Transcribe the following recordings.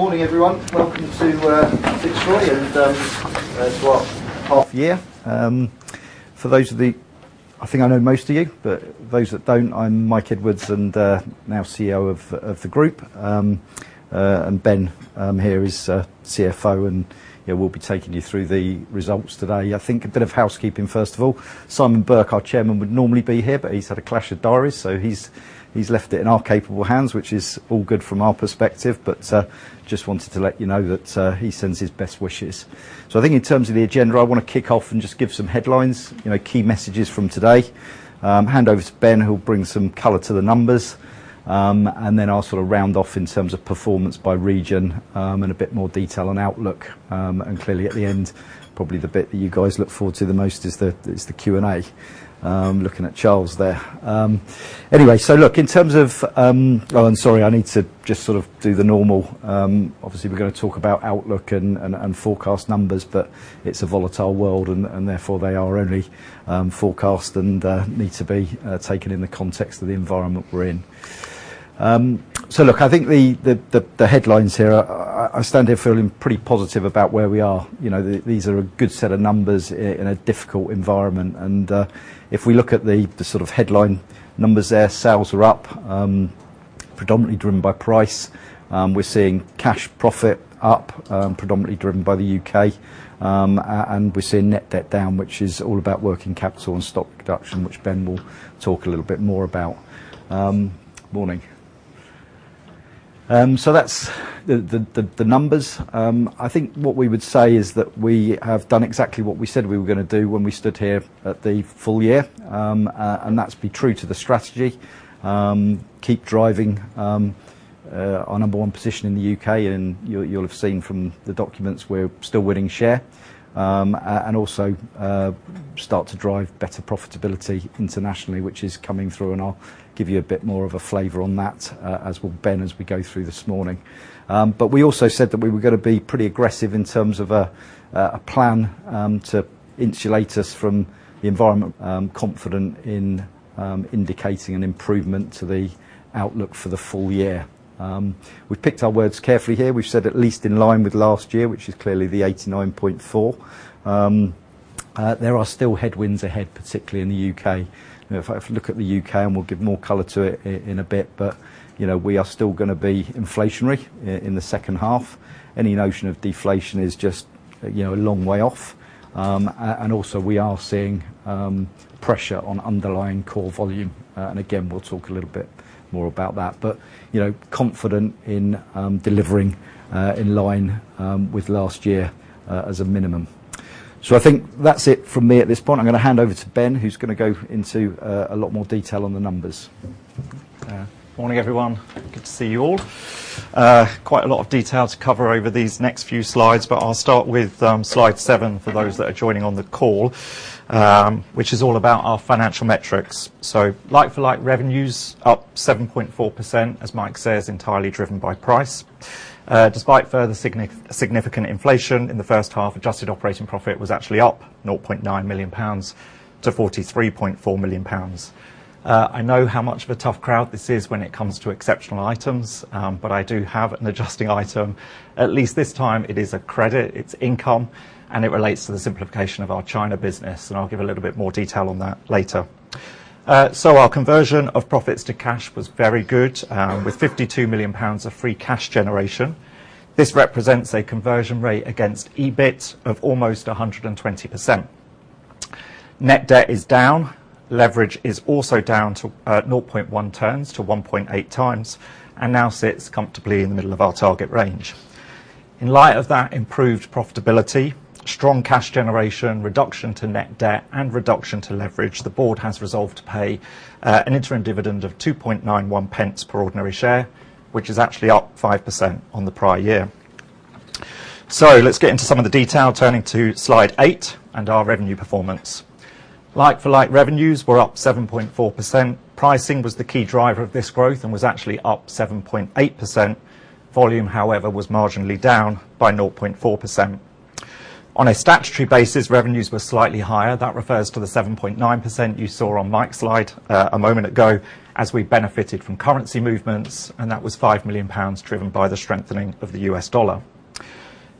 Morning, everyone. Welcome to Bakkavor, and to our half year. For those I think I know most of you, but those that don't, I'm Mike Edwards, and now CEO of the group. And Ben here is CFO, and yeah, we'll be taking you through the results today. I think a bit of housekeeping, first of all. Simon Burke, our chairman, would normally be here, but he's had a clash of diaries, so he's left it in our capable hands, which is all good from our perspective, but just wanted to let you know that he sends his best wishes. So I think in terms of the agenda, I want to kick off and just give some headlines, you know, key messages from today. Hand over to Ben, who'll bring some color to the numbers. Then I'll sort of round off in terms of performance by region, and a bit more detail on outlook. Clearly at the end, probably the bit that you guys look forward to the most is the Q&A. Looking at Charles there. Anyway, so look, in terms of... Oh, and sorry, I need to just sort of do the normal, obviously, we're going to talk about outlook and forecast numbers, but it's a volatile world, and therefore, they are only forecast and need to be taken in the context of the environment we're in. So look, I think the headlines here, I stand here feeling pretty positive about where we are. You know, these are a good set of numbers in a difficult environment, and if we look at the sort of headline numbers there, sales are up, predominantly driven by price. We're seeing cash profit up, predominantly driven by the U.K. And we're seeing net debt down, which is all about working capital and stock reduction, which Ben will talk a little bit more about. Morning. So that's the numbers. I think what we would say is that we have done exactly what we said we were going to do when we stood here at the full year. And that's be true to the strategy, keep driving our number one position in the U.K., and you'll have seen from the documents we're still winning share. And also start to drive better profitability internationally, which is coming through, and I'll give you a bit more of a flavor on that, as will Ben, as we go through this morning. But we also said that we were going to be pretty aggressive in terms of a plan to insulate us from the environment, confident in indicating an improvement to the outlook for the full year. We've picked our words carefully here. We've said at least in line with last year, which is clearly the 89.4. There are still headwinds ahead, particularly in the U.K. If I look at the U.K., and we'll give more color to it in a bit, but, you know, we are still going to be inflationary in the second half. Any notion of deflation is just, you know, a long way off. And also, we are seeing pressure on underlying core volume, and again, we'll talk a little bit more about that, but, you know, confident in delivering in line with last year as a minimum. So I think that's it from me at this point. I'm going to hand over to Ben, who's going to go into a lot more detail on the numbers. Morning, everyone. Good to see you all. Quite a lot of detail to cover over these next few slides, but I'll start with slide seven for those that are joining on the call, which is all about our financial metrics. So like-for-like revenues, up 7.4%, as Mike says, entirely driven by price. Despite further significant inflation in the first half, adjusted operating profit was actually up 0.9 million pounds to 43.4 million pounds. I know how much of a tough crowd this is when it comes to exceptional items, but I do have an adjusting item. At least this time it is a credit, it's income, and it relates to the simplification of our China business, and I'll give a little bit more detail on that later. Our conversion of profits to cash was very good, with 52 million pounds of free cash generation. This represents a conversion rate against EBIT of almost 120%. Net debt is down. Leverage is also down to 0.1x-1.8x, and now sits comfortably in the middle of our target range. In light of that improved profitability, strong cash generation, reduction to net debt, and reduction to leverage, the board has resolved to pay an interim dividend of 0.0291 per ordinary share, which is actually up 5% on the prior year. Let's get into some of the detail, turning to slide 8 and our revenue performance. Like-for-like revenues were up 7.4%. Pricing was the key driver of this growth and was actually up 7.8%. Volume, however, was marginally down by 0.4%. On a statutory basis, revenues were slightly higher. That refers to the 7.9% you saw on Mike's slide, a moment ago, as we benefited from currency movements, and that was 5 million pounds driven by the strengthening of the U.S. dollar.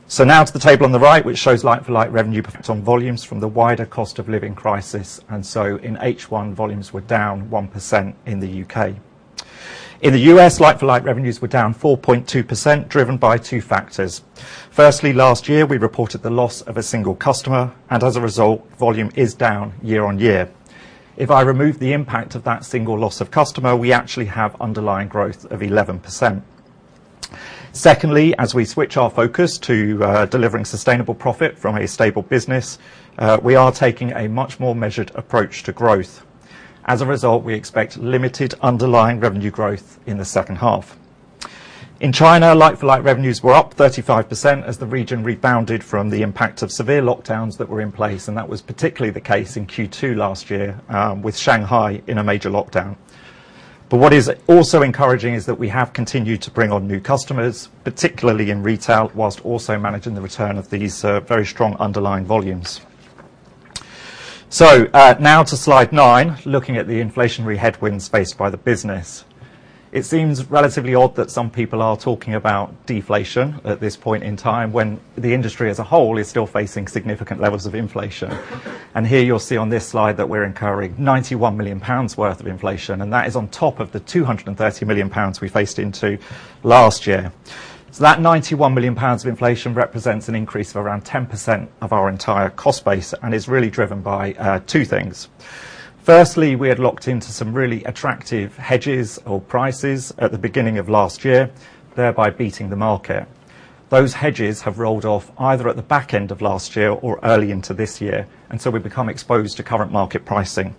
So now to the table on the right, which shows like-for-like revenue profits on volumes from the wider cost of living crisis, and so in H1, volumes were down 1% in the U.K. In the U.S., like-for-like revenues were down 4.2%, driven by two factors. Firstly, last year, we reported the loss of a single customer, and as a result, volume is down year-on-year. If I remove the impact of that single loss of customer, we actually have underlying growth of 11%. Secondly, as we switch our focus to delivering sustainable profit from a stable business, we are taking a much more measured approach to growth. As a result, we expect limited underlying revenue growth in the second half. In China, like-for-like revenues were up 35% as the region rebounded from the impact of severe lockdowns that were in place, and that was particularly the case in Q2 last year, with Shanghai in a major lockdown. But what is also encouraging is that we have continued to bring on new customers, particularly in retail, whilst also managing the return of these very strong underlying volumes.... So now to slide 9, looking at the inflationary headwinds faced by the business. It seems relatively odd that some people are talking about deflation at this point in time, when the industry as a whole is still facing significant levels of inflation. And here you'll see on this slide that we're incurring 91 million pounds worth of inflation, and that is on top of the 230 million pounds we faced into last year. So that 91 million pounds of inflation represents an increase of around 10% of our entire cost base, and is really driven by two things. Firstly, we had locked into some really attractive hedges or prices at the beginning of last year, thereby beating the market. Those hedges have rolled off either at the back end of last year or early into this year, and so we've become exposed to current market pricing.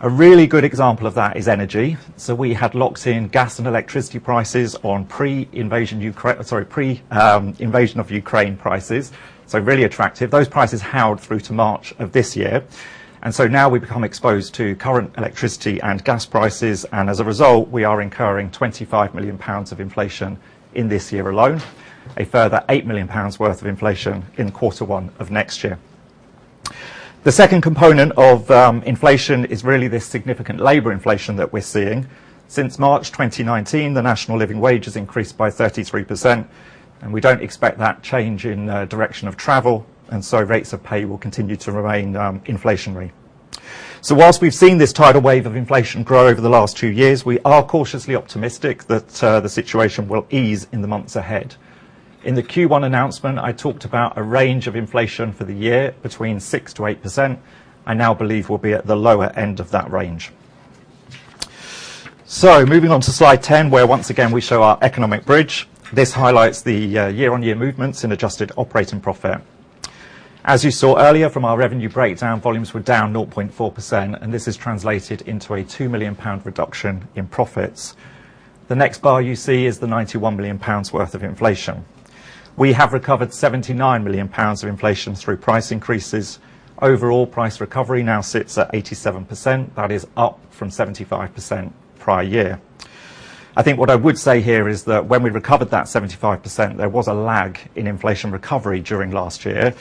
A really good example of that is energy. So we had locked in gas and electricity prices on pre-invasion of Ukraine prices, so really attractive. Those prices held through to March of this year, and so now we've become exposed to current electricity and gas prices, and as a result, we are incurring 25 million pounds of inflation in this year alone. A further 8 million pounds worth of inflation in quarter one of next year. The second component of inflation is really the significant labor inflation that we're seeing. Since March 2019, the National Living Wage has increased by 33%, and we don't expect that change in direction of travel, and so rates of pay will continue to remain inflationary. So while we've seen this tidal wave of inflation grow over the last 2 years, we are cautiously optimistic that the situation will ease in the months ahead. In the Q1 announcement, I talked about a range of inflation for the year between 6%-8%. I now believe we'll be at the lower end of that range. So moving on to slide 10, where once again, we show our economic bridge. This highlights the year-on-year movements in adjusted operating profit. As you saw earlier from our revenue breakdown, volumes were down 0.4%, and this has translated into a 2 million pound reduction in profits. The next bar you see is the 91 million pounds worth of inflation. We have recovered 79 million pounds of inflation through price increases. Overall, price recovery now sits at 87%. That is up from 75% prior year. I think what I would say here is that when we recovered that 75%, there was a lag in inflation recovery during last year,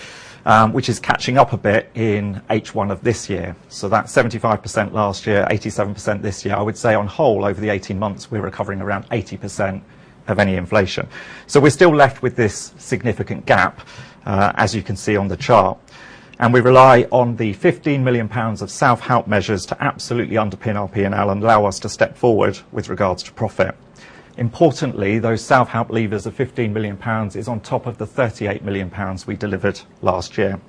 which is catching up a bit in H1 of this year. So that 75% last year, 87% this year, I would say, on whole, over the 18 months, we're recovering around 80% of any inflation. So we're still left with this significant gap, as you can see on the chart, and we rely on the 15 million pounds of self-help measures to absolutely underpin our P&L and allow us to step forward with regards to profit. Importantly, those self-help levers of 15 million pounds is on top of the 38 million pounds we delivered last year.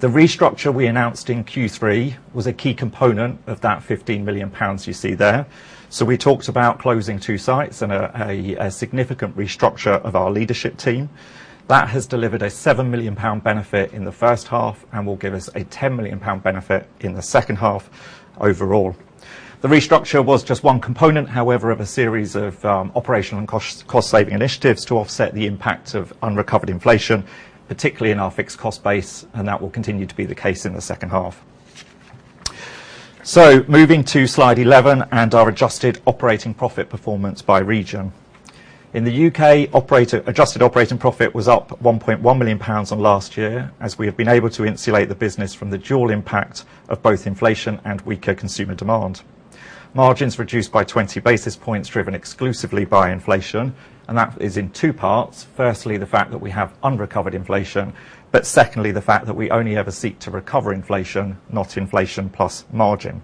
The restructure we announced in Q3 was a key component of that 15 million pounds you see there. So we talked about closing two sites and a significant restructure of our leadership team. That has delivered a 7 million pound benefit in the first half and will give us a 10 million pound benefit in the second half overall. The restructure was just one component, however, of a series of operational and cost-saving initiatives to offset the impact of unrecovered inflation, particularly in our fixed cost base, and that will continue to be the case in the second half. So moving to slide 11 and our adjusted operating profit performance by region. In the U.K., our adjusted operating profit was up 1.1 million pounds on last year, as we have been able to insulate the business from the dual impact of both inflation and weaker consumer demand. Margins reduced by 20 basis points, driven exclusively by inflation, and that is in two parts. Firstly, the fact that we have unrecovered inflation, but secondly, the fact that we only ever seek to recover inflation, not inflation plus margin.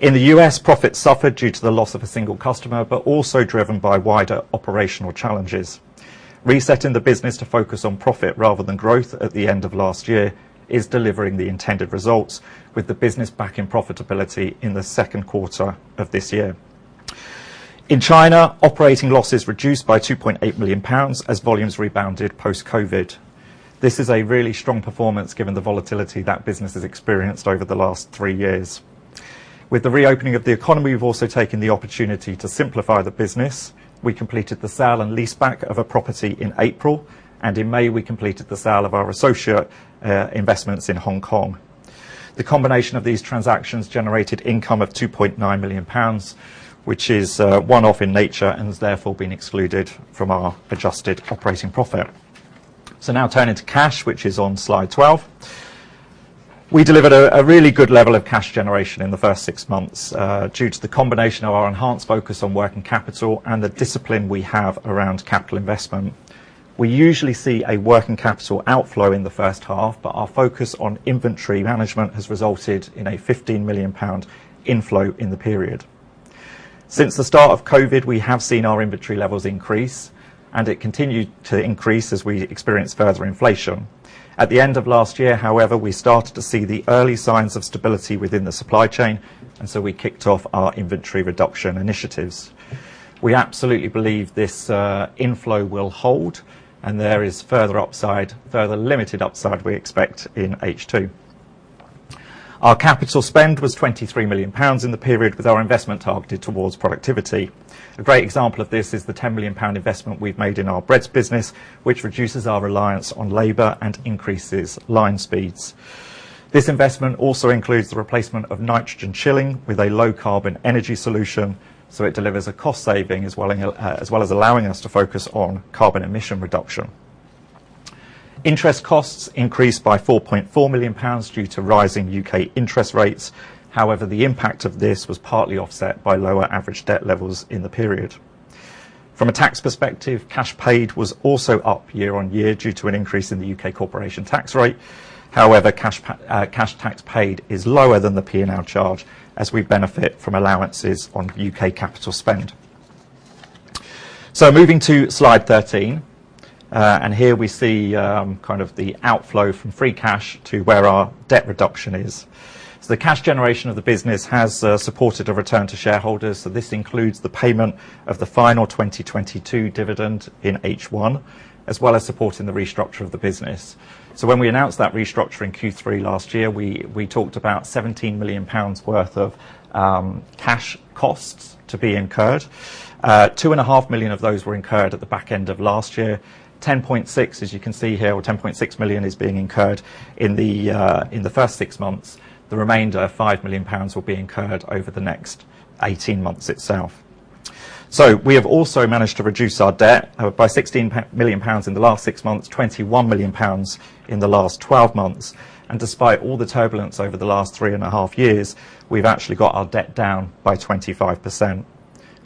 In the U.S., profits suffered due to the loss of a single customer, but also driven by wider operational challenges. Resetting the business to focus on profit rather than growth at the end of last year is delivering the intended results with the business back in profitability in the second quarter of this year. In China, operating losses reduced by 2.8 million pounds as volumes rebounded post-COVID. This is a really strong performance given the volatility that business has experienced over the last three years. With the reopening of the economy, we've also taken the opportunity to simplify the business. We completed the sale and leaseback of a property in April, and in May, we completed the sale of our associate investments in Hong Kong. The combination of these transactions generated income of 2.9 million pounds, which is one-off in nature and has therefore been excluded from our adjusted operating profit. So now turning to cash, which is on slide 12. We delivered a really good level of cash generation in the first six months, due to the combination of our enhanced focus on working capital and the discipline we have around capital investment. We usually see a working capital outflow in the first half, but our focus on inventory management has resulted in a 15 million pound inflow in the period. Since the start of COVID, we have seen our inventory levels increase, and it continued to increase as we experienced further inflation. At the end of last year, however, we started to see the early signs of stability within the supply chain, and so we kicked off our inventory reduction initiatives. We absolutely believe this inflow will hold, and there is further upside, though the limited upside we expect in H2. Our capital spend was 23 million pounds in the period, with our investment targeted towards productivity. A great example of this is the 10 million pound investment we've made in our breads business, which reduces our reliance on labor and increases line speeds. This investment also includes the replacement of nitrogen chilling with a low carbon energy solution, so it delivers a cost saving, as well as allowing us to focus on carbon emission reduction. Interest costs increased by 4.4 million pounds due to rising U.K. interest rates. However, the impact of this was partly offset by lower average debt levels in the period. From a tax perspective, cash paid was also up year-over-year due to an increase in the U.K. corporation tax rate. However, cash tax paid is lower than the P&L charge, as we benefit from allowances on U.K. capital spend. So moving to slide 13, and here we see kind of the outflow from free cash to where our debt reduction is. So the cash generation of the business has supported a return to shareholders. So this includes the payment of the final 2022 dividend in H1, as well as supporting the restructure of the business. So when we announced that restructuring Q3 last year, we talked about 17 million pounds worth of cash costs to be incurred. Two and a half million of those were incurred at the back end of last year. Ten point six, as you can see here, or 10.6 million, is being incurred in the first six months. The remainder, 5 million pounds, will be incurred over the next eighteen months itself. So we have also managed to reduce our debt by 16 million pounds in the last six months, 21 million pounds in the last twelve months, and despite all the turbulence over the last three and a half years, we've actually got our debt down by 25%.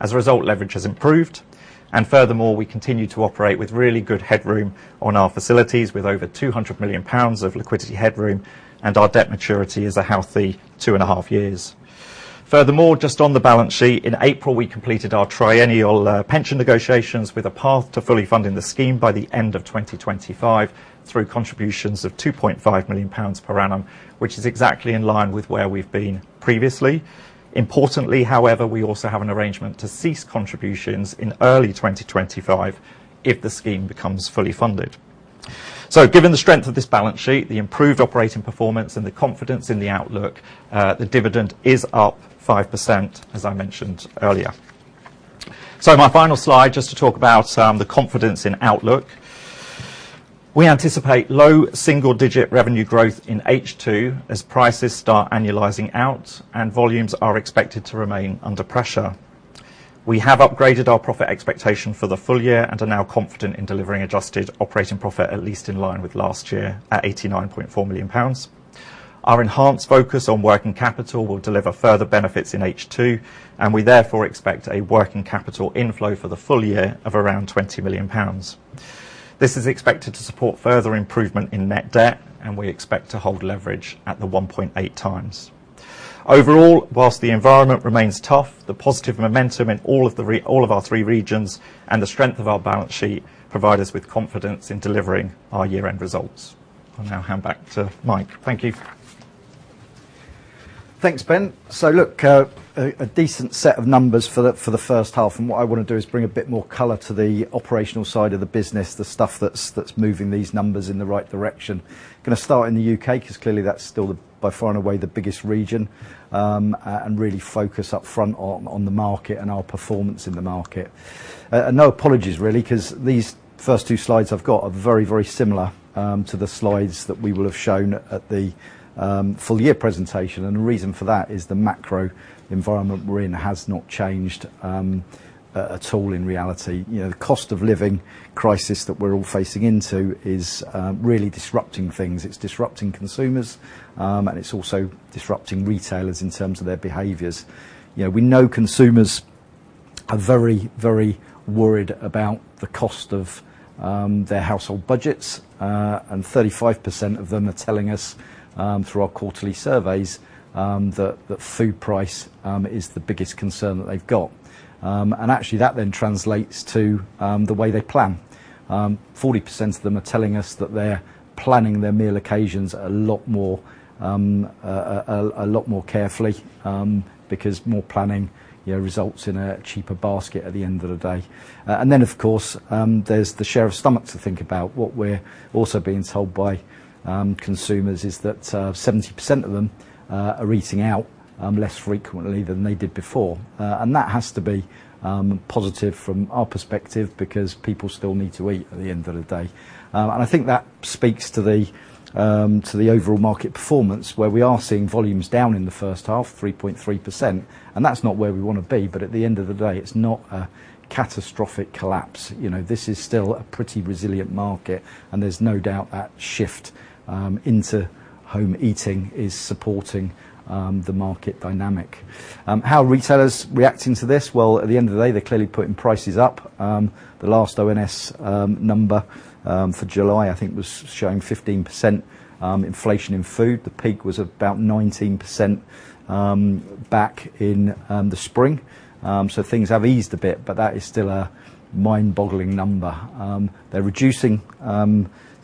As a result, leverage has improved, and furthermore, we continue to operate with really good headroom on our facilities, with over 200 million pounds of liquidity headroom, and our debt maturity is a healthy 2.5 years. Furthermore, just on the balance sheet, in April, we completed our triennial pension negotiations with a path to fully funding the scheme by the end of 2025 through contributions of 2.5 million pounds per annum, which is exactly in line with where we've been previously. Importantly, however, we also have an arrangement to cease contributions in early 2025 if the scheme becomes fully funded. So given the strength of this balance sheet, the improved operating performance and the confidence in the outlook, the dividend is up 5%, as I mentioned earlier. So my final slide, just to talk about the confidence in outlook. We anticipate low single-digit revenue growth in H2 as prices start annualizing out, and volumes are expected to remain under pressure. We have upgraded our profit expectation for the full year and are now confident in delivering adjusted operating profit, at least in line with last year, at 89.4 million pounds. Our enhanced focus on working capital will deliver further benefits in H2, and we therefore expect a working capital inflow for the full year of around 20 million pounds. This is expected to support further improvement in net debt, and we expect to hold leverage at the 1.8 times. Overall, while the environment remains tough, the positive momentum in all of our three regions and the strength of our balance sheet provide us with confidence in delivering our year-end results. I'll now hand back to Mike. Thank you. Thanks, Ben. So look, a decent set of numbers for the first half, and what I want to do is bring a bit more color to the operational side of the business, the stuff that's moving these numbers in the right direction. Gonna start in the U.K., because clearly that's still the, by far and away, the biggest region, and really focus up front on the market and our performance in the market. No apologies, really, 'cause these first two slides I've got are very, very similar to the slides that we will have shown at the full year presentation, and the reason for that is the macro environment we're in has not changed at all in reality. You know, the cost of living crisis that we're all facing into is really disrupting things. It's disrupting consumers, and it's also disrupting retailers in terms of their behaviors. You know, we know consumers are very, very worried about the cost of their household budgets, and 35% of them are telling us through our quarterly surveys that food price is the biggest concern that they've got. And actually, that then translates to the way they plan. Forty percent of them are telling us that they're planning their meal occasions a lot more carefully because more planning, you know, results in a cheaper basket at the end of the day. And then, of course, there's the share of stomach to think about. What we're also being told by consumers is that 70% of them are eating out less frequently than they did before. That has to be positive from our perspective because people still need to eat at the end of the day. I think that speaks to the overall market performance, where we are seeing volumes down in the first half, 3.3%, and that's not where we want to be, but at the end of the day, it's not a catastrophic collapse. You know, this is still a pretty resilient market, and there's no doubt that shift into home eating is supporting the market dynamic. How are retailers reacting to this? Well, at the end of the day, they're clearly putting prices up. The last ONS number for July, I think, was showing 15% inflation in food. The peak was about 19% back in the spring. So things have eased a bit, but that is still a mind-boggling number. They're reducing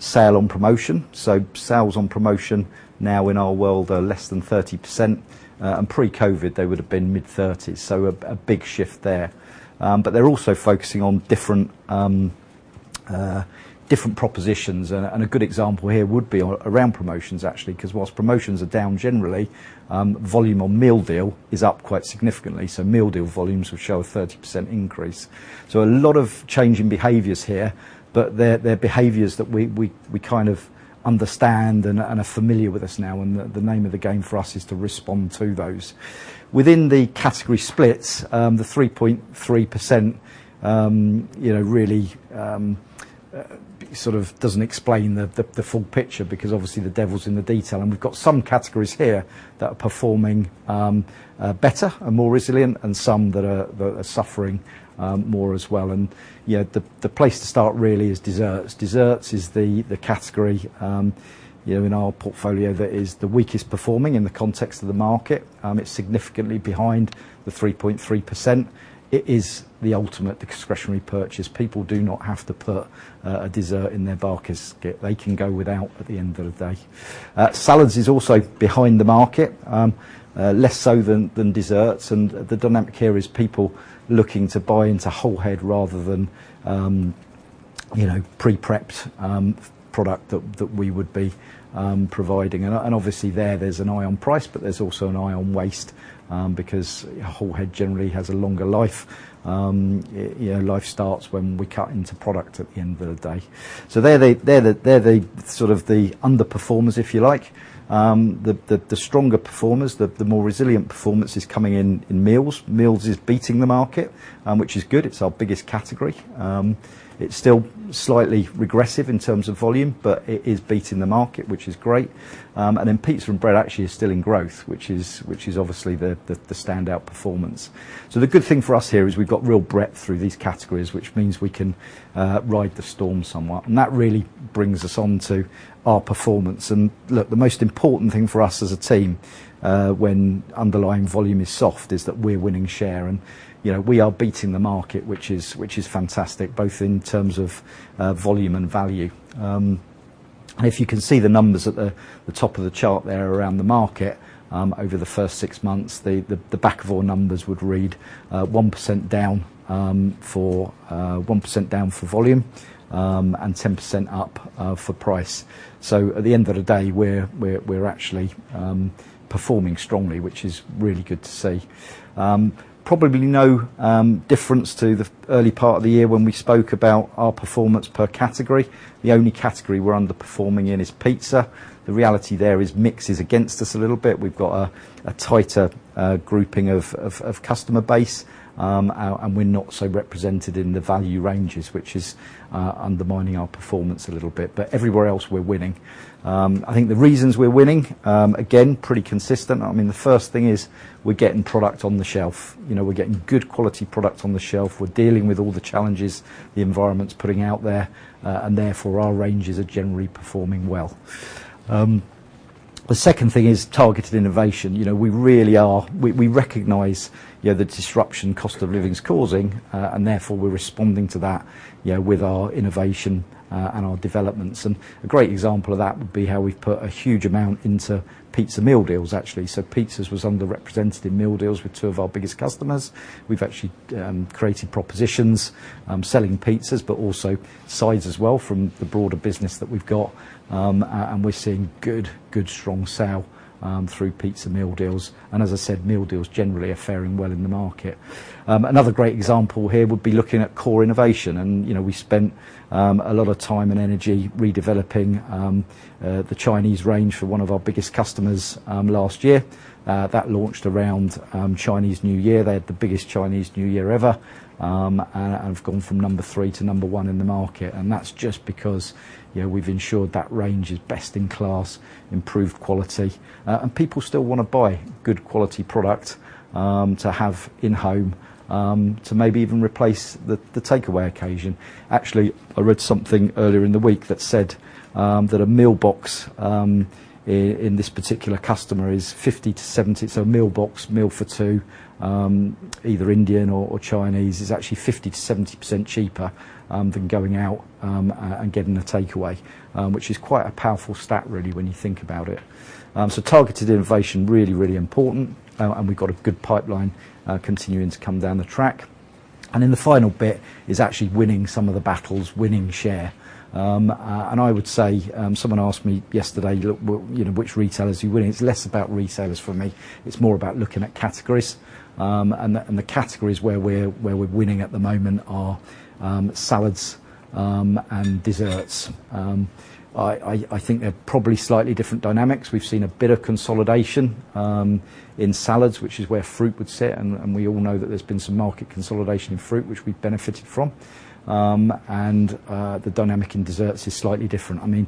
sale on promotion. So sales on promotion now in our world are less than 30%, and pre-COVID, they would have been mid-thirties, so a big shift there. But they're also focusing on different propositions, and a good example here would be around promotions, actually, 'cause whilst promotions are down generally, volume on meal deal is up quite significantly, so meal deal volumes will show a 30% increase. So a lot of changing behaviors here, but they're behaviors that we kind of-... Understand and are familiar with us now, and the name of the game for us is to respond to those. Within the category splits, the 3.3%, you know, really sort of doesn't explain the full picture because obviously, the devil's in the detail, and we've got some categories here that are performing better and more resilient and some that are suffering more as well, and yet the place to start really is desserts. Desserts is the category, you know, in our portfolio that is the weakest performing in the context of the market. It's significantly behind the 3.3%. It is the ultimate discretionary purchase. People do not have to put a dessert in their basket. They can go without at the end of the day. Salads is also behind the market, less so than desserts, and the dynamic here is people looking to buy into whole head rather than, you know, pre-prepped product that we would be providing. And obviously there, there's an eye on price, but there's also an eye on waste, because whole head generally has a longer life. You know, life starts when we cut into product at the end of the day. So they're the sort of underperformers, if you like. The stronger performers, the more resilient performance is coming in meals. Meals is beating the market, which is good. It's our biggest category. It's still slightly regressive in terms of volume, but it is beating the market, which is great. And then pizza and bread actually is still in growth, which is obviously the standout performance. So the good thing for us here is we've got real breadth through these categories, which means we can ride the storm somewhat, and that really brings us on to our performance. And look, the most important thing for us as a team, when underlying volume is soft, is that we're winning share and, you know, we are beating the market, which is fantastic, both in terms of volume and value. And if you can see the numbers at the top of the chart there around the market, over the first six months, the Bakkavor numbers would read 1% down for 1% down for volume, and 10% up for price. So at the end of the day, we're actually performing strongly, which is really good to see. Probably no difference to the early part of the year when we spoke about our performance per category. The only category we're underperforming in is pizza. The reality there is, mix is against us a little bit. We've got a tighter grouping of customer base, and we're not so represented in the value ranges, which is undermining our performance a little bit, but everywhere else, we're winning. I think the reasons we're winning, again, pretty consistent. I mean, the first thing is we're getting product on the shelf. You know, we're getting good quality products on the shelf. We're dealing with all the challenges the environment's putting out there, and therefore, our ranges are generally performing well. The second thing is targeted innovation. You know, we really are. We recognize, yeah, the disruption cost of living is causing, and therefore, we're responding to that, yeah, with our innovation, and our developments, and a great example of that would be how we've put a huge amount into pizza meal deals, actually. So pizzas was underrepresented in meal deals with two of our biggest customers. We've actually created propositions, selling pizzas, but also sides as well from the broader business that we've got. And we're seeing good, good, strong sale through pizza meal deals, and as I said, meal deals generally are faring well in the market. Another great example here would be looking at core innovation, and, you know, we spent a lot of time and energy redeveloping the Chinese range for one of our biggest customers last year. That launched around Chinese New Year. They had the biggest Chinese New Year ever, and have gone from number 3 to number 1 in the market, and that's just because, you know, we've ensured that range is best in class, improved quality, and people still want to buy good quality product to have in home to maybe even replace the takeaway occasion. Actually, I read something earlier in the week that said that a meal box in this particular customer is 50-70. So a meal box, meal for two, either Indian or Chinese, is actually 50%-70% cheaper than going out and getting a takeaway, which is quite a powerful stat, really, when you think about it. So targeted innovation, really, really important, and we've got a good pipeline continuing to come down the track. And then the final bit is actually winning some of the battles, winning share. And I would say, someone asked me yesterday, "Look, well, you know, which retailers you winning?" It's less about retailers for me, it's more about looking at categories, and the categories where we're winning at the moment are salads and desserts. I think they're probably slightly different dynamics. We've seen a bit of consolidation in salads, which is where fruit would sit, and we all know that there's been some market consolidation in fruit, which we've benefited from. The dynamic in desserts is slightly different. I mean,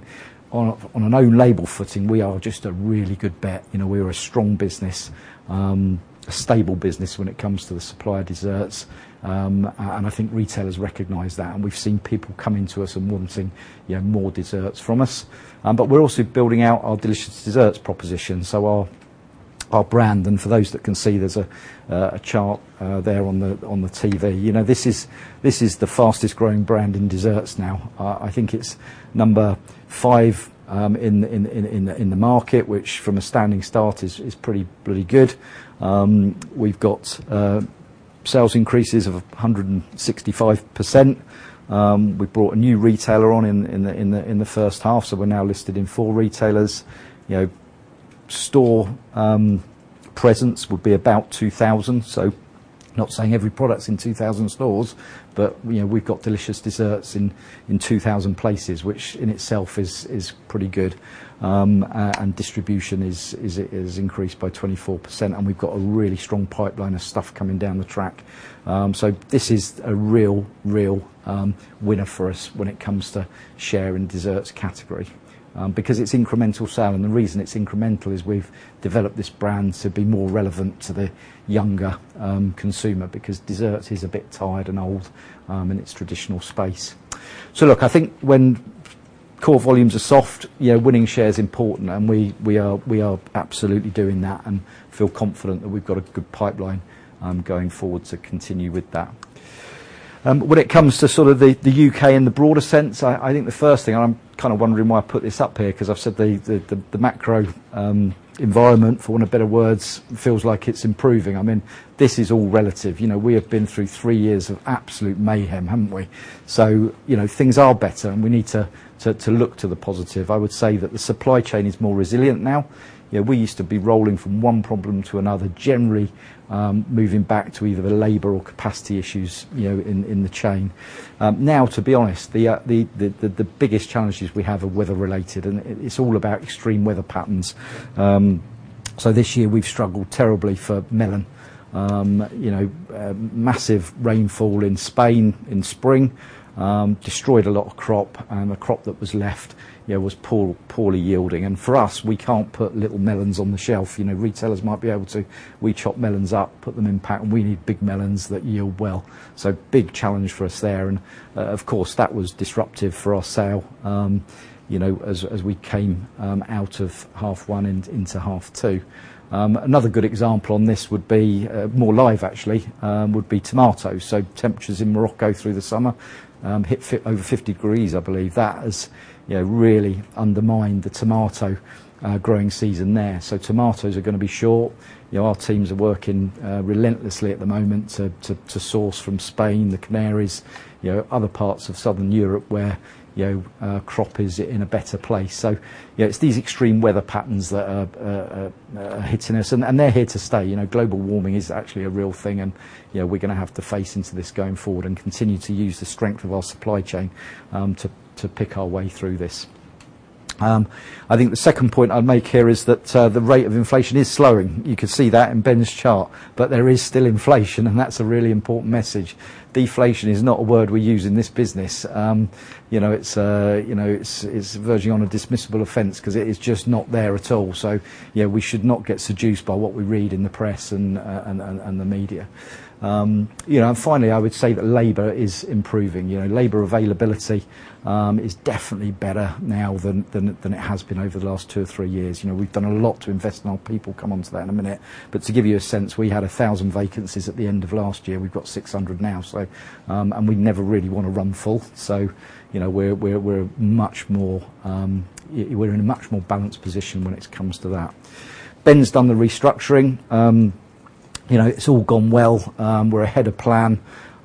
on an own-label footing, we are just a really good bet. You know, we're a strong business, a stable business when it comes to the supplier desserts, and I think retailers recognize that, and we've seen people coming to us and wanting more desserts from us. But we're also building out our Delicious Desserts proposition, so our brand, and for those that can see, there's a chart there on the TV. You know, this is the fastest growing brand in desserts now. I think it's number five in the market, which, from a standing start, is pretty good. We've got sales increases of 165%. We brought a new retailer on in the first half, so we're now listed in four retailers. You know, store presence would be about 2,000. So not saying every product's in 2,000 stores, but, you know, we've got Delicious Desserts in 2,000 places, which in itself is pretty good. And distribution is increased by 24%, and we've got a really strong pipeline of stuff coming down the track. So this is a real winner for us when it comes to share in desserts category, because it's incremental sale. And the reason it's incremental is we've developed this brand to be more relevant to the younger, consumer, because desserts is a bit tired and old, in its traditional space. So look, I think when core volumes are soft, yeah, winning share is important, and we, we are, we are absolutely doing that and feel confident that we've got a good pipeline, going forward to continue with that. When it comes to sort of the U.K. in the broader sense, I think the first thing, I'm kind of wondering why I put this up here, 'cause I've said the macro environment, for want of better words, feels like it's improving. I mean, this is all relative. You know, we have been through three years of absolute mayhem, haven't we? So, you know, things are better, and we need to look to the positive. I would say that the supply chain is more resilient now. You know, we used to be rolling from one problem to another, generally, moving back to either the labor or capacity issues, you know, in the chain. Now, to be honest, the biggest challenges we have are weather-related, and it's all about extreme weather patterns. So this year we've struggled terribly for melon. You know, massive rainfall in Spain in spring destroyed a lot of crop, and the crop that was left, you know, was poorly yielding. And for us, we can't put little melons on the shelf. You know, retailers might be able to. We chop melons up, put them in pack, and we need big melons that yield well. So big challenge for us there, and, of course, that was disruptive for our sale, you know, as we came out of half one and into half two. Another good example on this would be, or like, actually, would be tomatoes. So temperatures in Morocco through the summer hit over 50 degrees, I believe. That has, you know, really undermined the tomato growing season there. So tomatoes are gonna be short. You know, our teams are working relentlessly at the moment to source from Spain, the Canaries, you know, other parts of Southern Europe where, you know, crop is in a better place. So, you know, it's these extreme weather patterns that are hitting us, and they're here to stay. You know, global warming is actually a real thing, and, you know, we're gonna have to face into this going forward and continue to use the strength of our supply chain to pick our way through this. I think the second point I'd make here is that the rate of inflation is slowing. You can see that in Ben's chart, but there is still inflation, and that's a really important message. Deflation is not a word we use in this business. You know, it's verging on a dismissible offense 'cause it is just not there at all. So, you know, we should not get seduced by what we read in the press and the media. You know, and finally, I would say that labor is improving. You know, labor availability is definitely better now than it has been over the last two or three years. You know, we've done a lot to invest in our people. Come on to that in a minute. But to give you a sense, we had 1,000 vacancies at the end of last year. We've got 600 now, so. We never really want to run full. So, you know, we're much more in a much more balanced position when it comes to that. Ben's done the restructuring. You know, it's all gone well.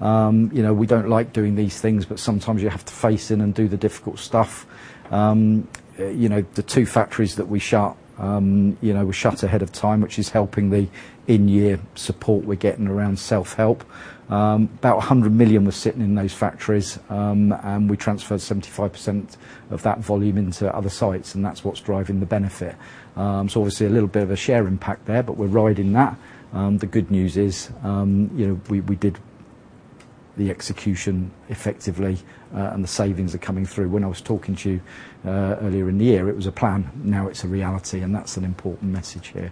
You know, we don't like doing these things, but sometimes you have to face in and do the difficult stuff. You know, the two factories that we shut, you know, were shut ahead of time, which is helping the in-year support we're getting around self-help. About 100 million was sitting in those factories, and we transferred 75% of that volume into other sites, and that's what's driving the benefit. So obviously, a little bit of a share impact there, but we're riding that. The good news is, you know, we did the execution effectively, and the savings are coming through. When I was talking to you, earlier in the year, it was a plan, now it's a reality, and that's an important message here.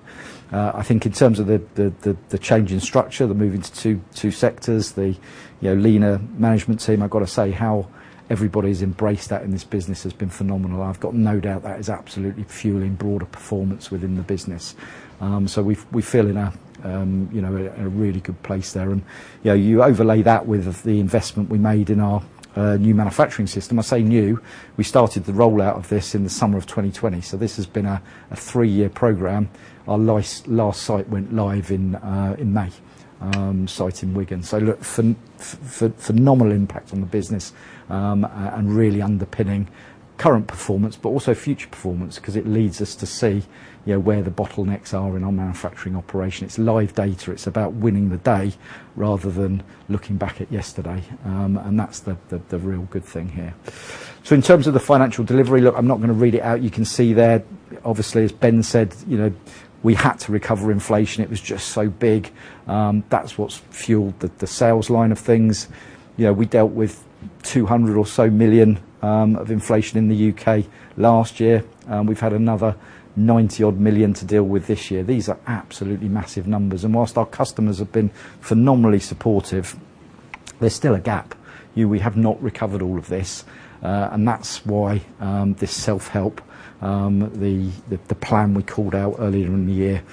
I think in terms of the change in structure, the move into two sectors, you know, leaner management team, I've got to say, how everybody's embraced that in this business has been phenomenal. I've got no doubt that is absolutely fueling broader performance within the business. So we feel in a, you know, in a really good place there. And, you know, you overlay that with the investment we made in our new manufacturing system. I say new, we started the rollout of this in the summer of 2020, so this has been a three-year program. Our last site went live in May, site in Wigan. So look, phenomenal impact on the business, and really underpinning current performance, but also future performance, 'cause it leads us to see, you know, where the bottlenecks are in our manufacturing operation. It's live data. It's about winning the day, rather than looking back at yesterday, and that's the real good thing here. So in terms of the financial delivery, look, I'm not gonna read it out. You can see there, obviously, as Ben said, you know, we had to recover inflation. It was just so big. That's what's fueled the sales line of things. You know, we dealt with 200 million or so of inflation in the U.K. last year, and we've had another 90-odd million to deal with this year. These are absolutely massive numbers, and while our customers have been phenomenally supportive, there's still a gap. You know, we have not recovered all of this, and that's why this self-help, the plan we called out earlier in the year,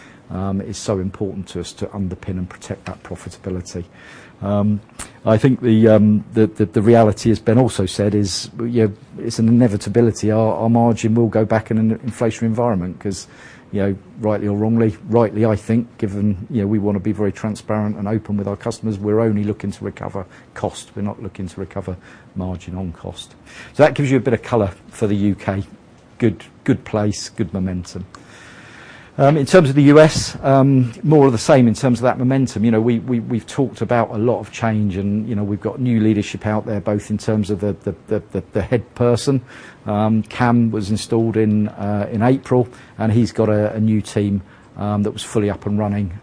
is so important to us to underpin and protect that profitability. I think the reality, as Ben also said, is, you know, it's an inevitability. Our margin will go back in an inflation environment 'cause, you know, rightly or wrongly, rightly, I think, given, you know, we want to be very transparent and open with our customers, we're only looking to recover cost. We're not looking to recover margin on cost. So that gives you a bit of color for the U.K. Good, good place, good momentum... In terms of the U.S., more of the same in terms of that momentum. You know, we've talked about a lot of change, and, you know, we've got new leadership out there, both in terms of the head person. Kam was installed in April, and he's got a new team that was fully up and running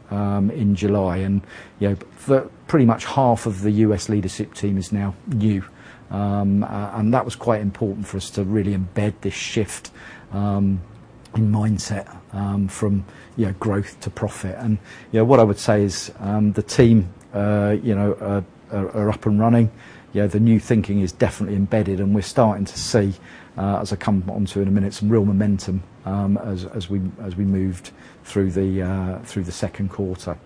in July. And, you know, pretty much half of the U.S. leadership team is now new. And that was quite important for us to really embed this shift in mindset from, you know, growth to profit. And, yeah, what I would say is the team, you know, are up and running. Yeah, the new thinking is definitely embedded, and we're starting to see, as I come onto in a minute, some real momentum as we moved through the second quarter.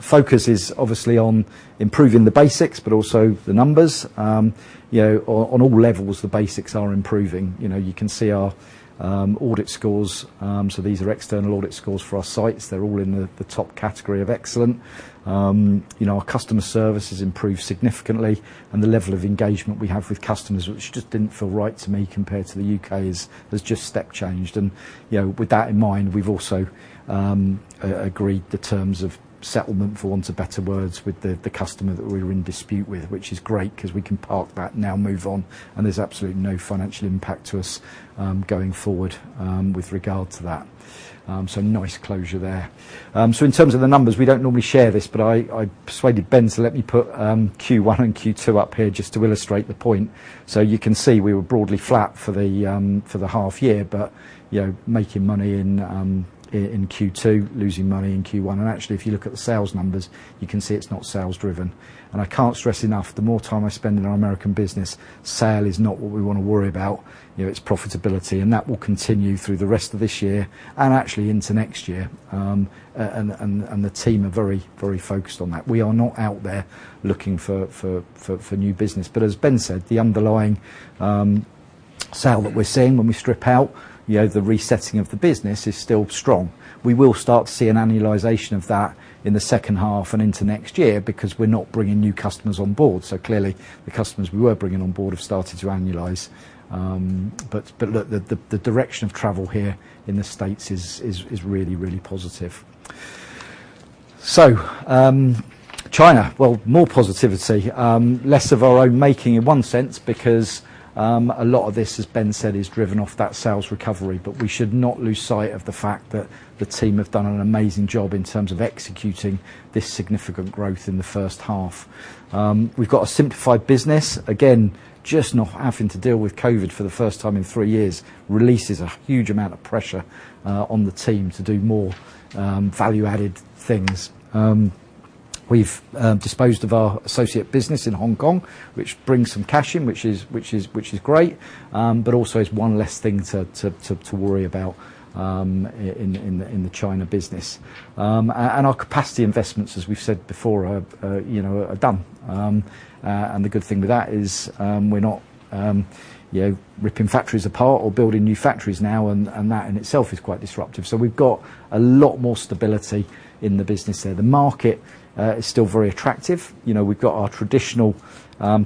Focus is obviously on improving the basics, but also the numbers. You know, on, on all levels, the basics are improving. You know, you can see our audit scores. So these are external audit scores for our sites. They're all in the, the top category of excellent. You know, our customer service has improved significantly, and the level of engagement we have with customers, which just didn't feel right to me compared to the U.K.'s, has just step changed. And, you know, with that in mind, we've also agreed the terms of settlement, for want of better words, with the, the customer that we were in dispute with, which is great, 'cause we can park that now, move on, and there's absolutely no financial impact to us going forward, with regard to that. So nice closure there. So in terms of the numbers, we don't normally share this, but I persuaded Ben to let me put Q1 and Q2 up here just to illustrate the point. So you can see we were broadly flat for the half year, but, you know, making money in Q2, losing money in Q1. And actually, if you look at the sales numbers, you can see it's not sales driven. And I can't stress enough, the more time I spend in our American business, sales is not what we want to worry about. You know, it's profitability, and that will continue through the rest of this year and actually into next year. And the team are very, very focused on that. We are not out there looking for new business. But as Ben said, the underlying sale that we're seeing when we strip out, you know, the resetting of the business, is still strong. We will start to see an annualization of that in the second half and into next year, because we're not bringing new customers on board. So clearly, the customers we were bringing on board have started to annualize. But look, the direction of travel here in the States is really, really positive. So, China, well, more positivity. Less of our own making in one sense, because a lot of this, as Ben said, is driven off that sales recovery. But we should not lose sight of the fact that the team have done an amazing job in terms of executing this significant growth in the first half. We've got a simplified business. Again, just not having to deal with COVID for the first time in three years releases a huge amount of pressure on the team to do more value-added things. We've disposed of our associate business in Hong Kong, which brings some cash in, which is great, but also is one less thing to worry about in the China business. And our capacity investments, as we've said before, are, you know, are done. And the good thing with that is, we're not, you know, ripping factories apart or building new factories now, and that in itself is quite disruptive. So we've got a lot more stability in the business there. The market is still very attractive. You know, we've got our traditional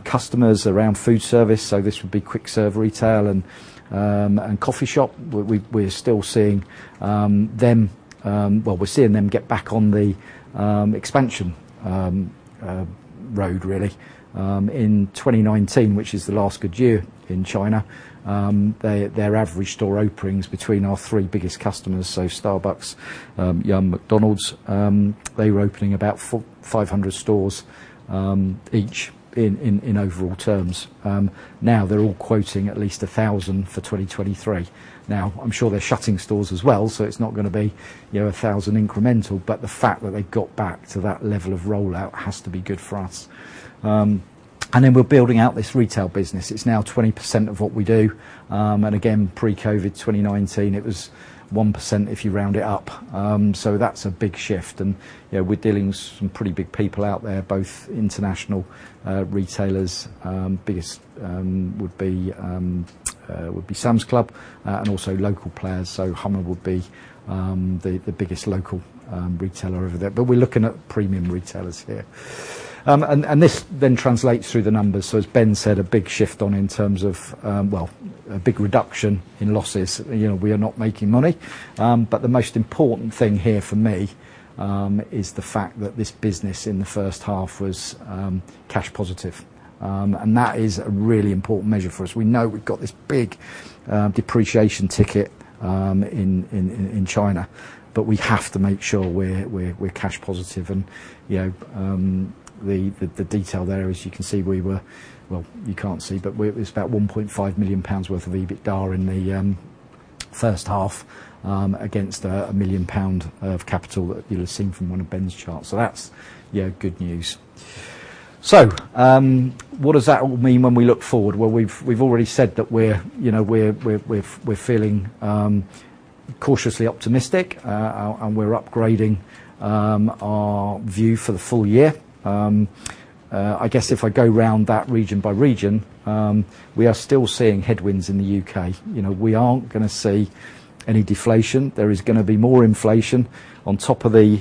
customers around food service, so this would be quick-serve retail and coffee shop. We're still seeing them get back on the expansion road, really. Well, in 2019, which is the last good year in China, their average store openings between our three biggest customers, so Starbucks, Yum!, McDonald's, they were opening about 400-500 stores each in overall terms. Now they're all quoting at least 1,000 for 2023. Now, I'm sure they're shutting stores as well, so it's not going to be, you know, 1,000 incremental, but the fact that they've got back to that level of rollout has to be good for us. And then we're building out this retail business. It's now 20% of what we do. And again, pre-COVID, 2019, it was 1%, if you round it up. So that's a big shift. And, you know, we're dealing with some pretty big people out there, both international retailers, biggest would be Sam's Club, and also local players. So Hema would be the biggest local retailer over there. But we're looking at premium retailers here. And this then translates through the numbers. So as Ben said, a big shift on in terms of, well, a big reduction in losses. You know, we are not making money, but the most important thing here for me is the fact that this business in the first half was cash positive. And that is a really important measure for us. We know we've got this big depreciation ticket in China, but we have to make sure we're cash positive. You know, the detail there, as you can see, Well, you can't see, but it's about 1.5 million pounds worth of EBITDA in the first half, against 1 million pound of capital that you'll have seen from one of Ben's charts. That's, yeah, good news. What does that all mean when we look forward? Well, we've already said that we're, you know, we're feeling cautiously optimistic, and we're upgrading our view for the full year. I guess if I go round that region by region, we are still seeing headwinds in the U.K. You know, we aren't gonna see any deflation. There is gonna be more inflation on top of the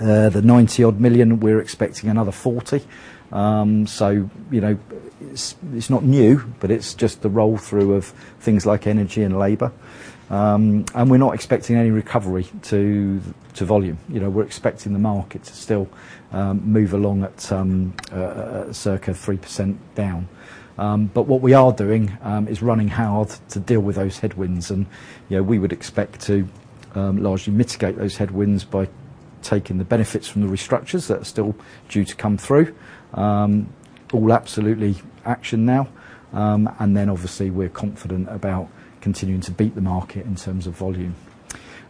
90-odd million; we're expecting another 40 million. So, you know, it's not new, but it's just the roll-through of things like energy and labor. And we're not expecting any recovery to volume. You know, we're expecting the market to still move along at circa 3% down. But what we are doing is running hard to deal with those headwinds, and, you know, we would expect to largely mitigate those headwinds by taking the benefits from the restructures that are still due to come through. All absolutely action now. And then obviously, we're confident about continuing to beat the market in terms of volume.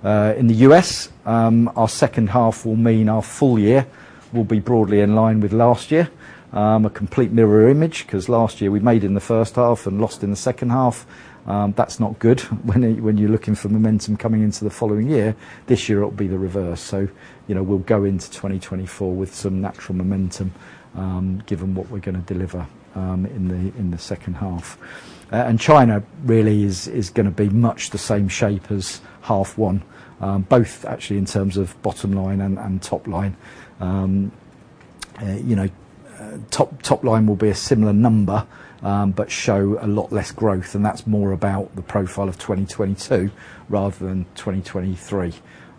In the U.S., our second half will mean our full year will be broadly in line with last year. A complete mirror image, 'cause last year we made in the first half and lost in the second half. That's not good when you're looking for momentum coming into the following year. This year, it'll be the reverse. So, you know, we'll go into 2024 with some natural momentum, given what we're gonna deliver in the second half. And China really is gonna be much the same shape as half one. Both actually in terms of bottom line and top line. You know, top line will be a similar number, but show a lot less growth, and that's more about the profile of 2022 rather than 2023.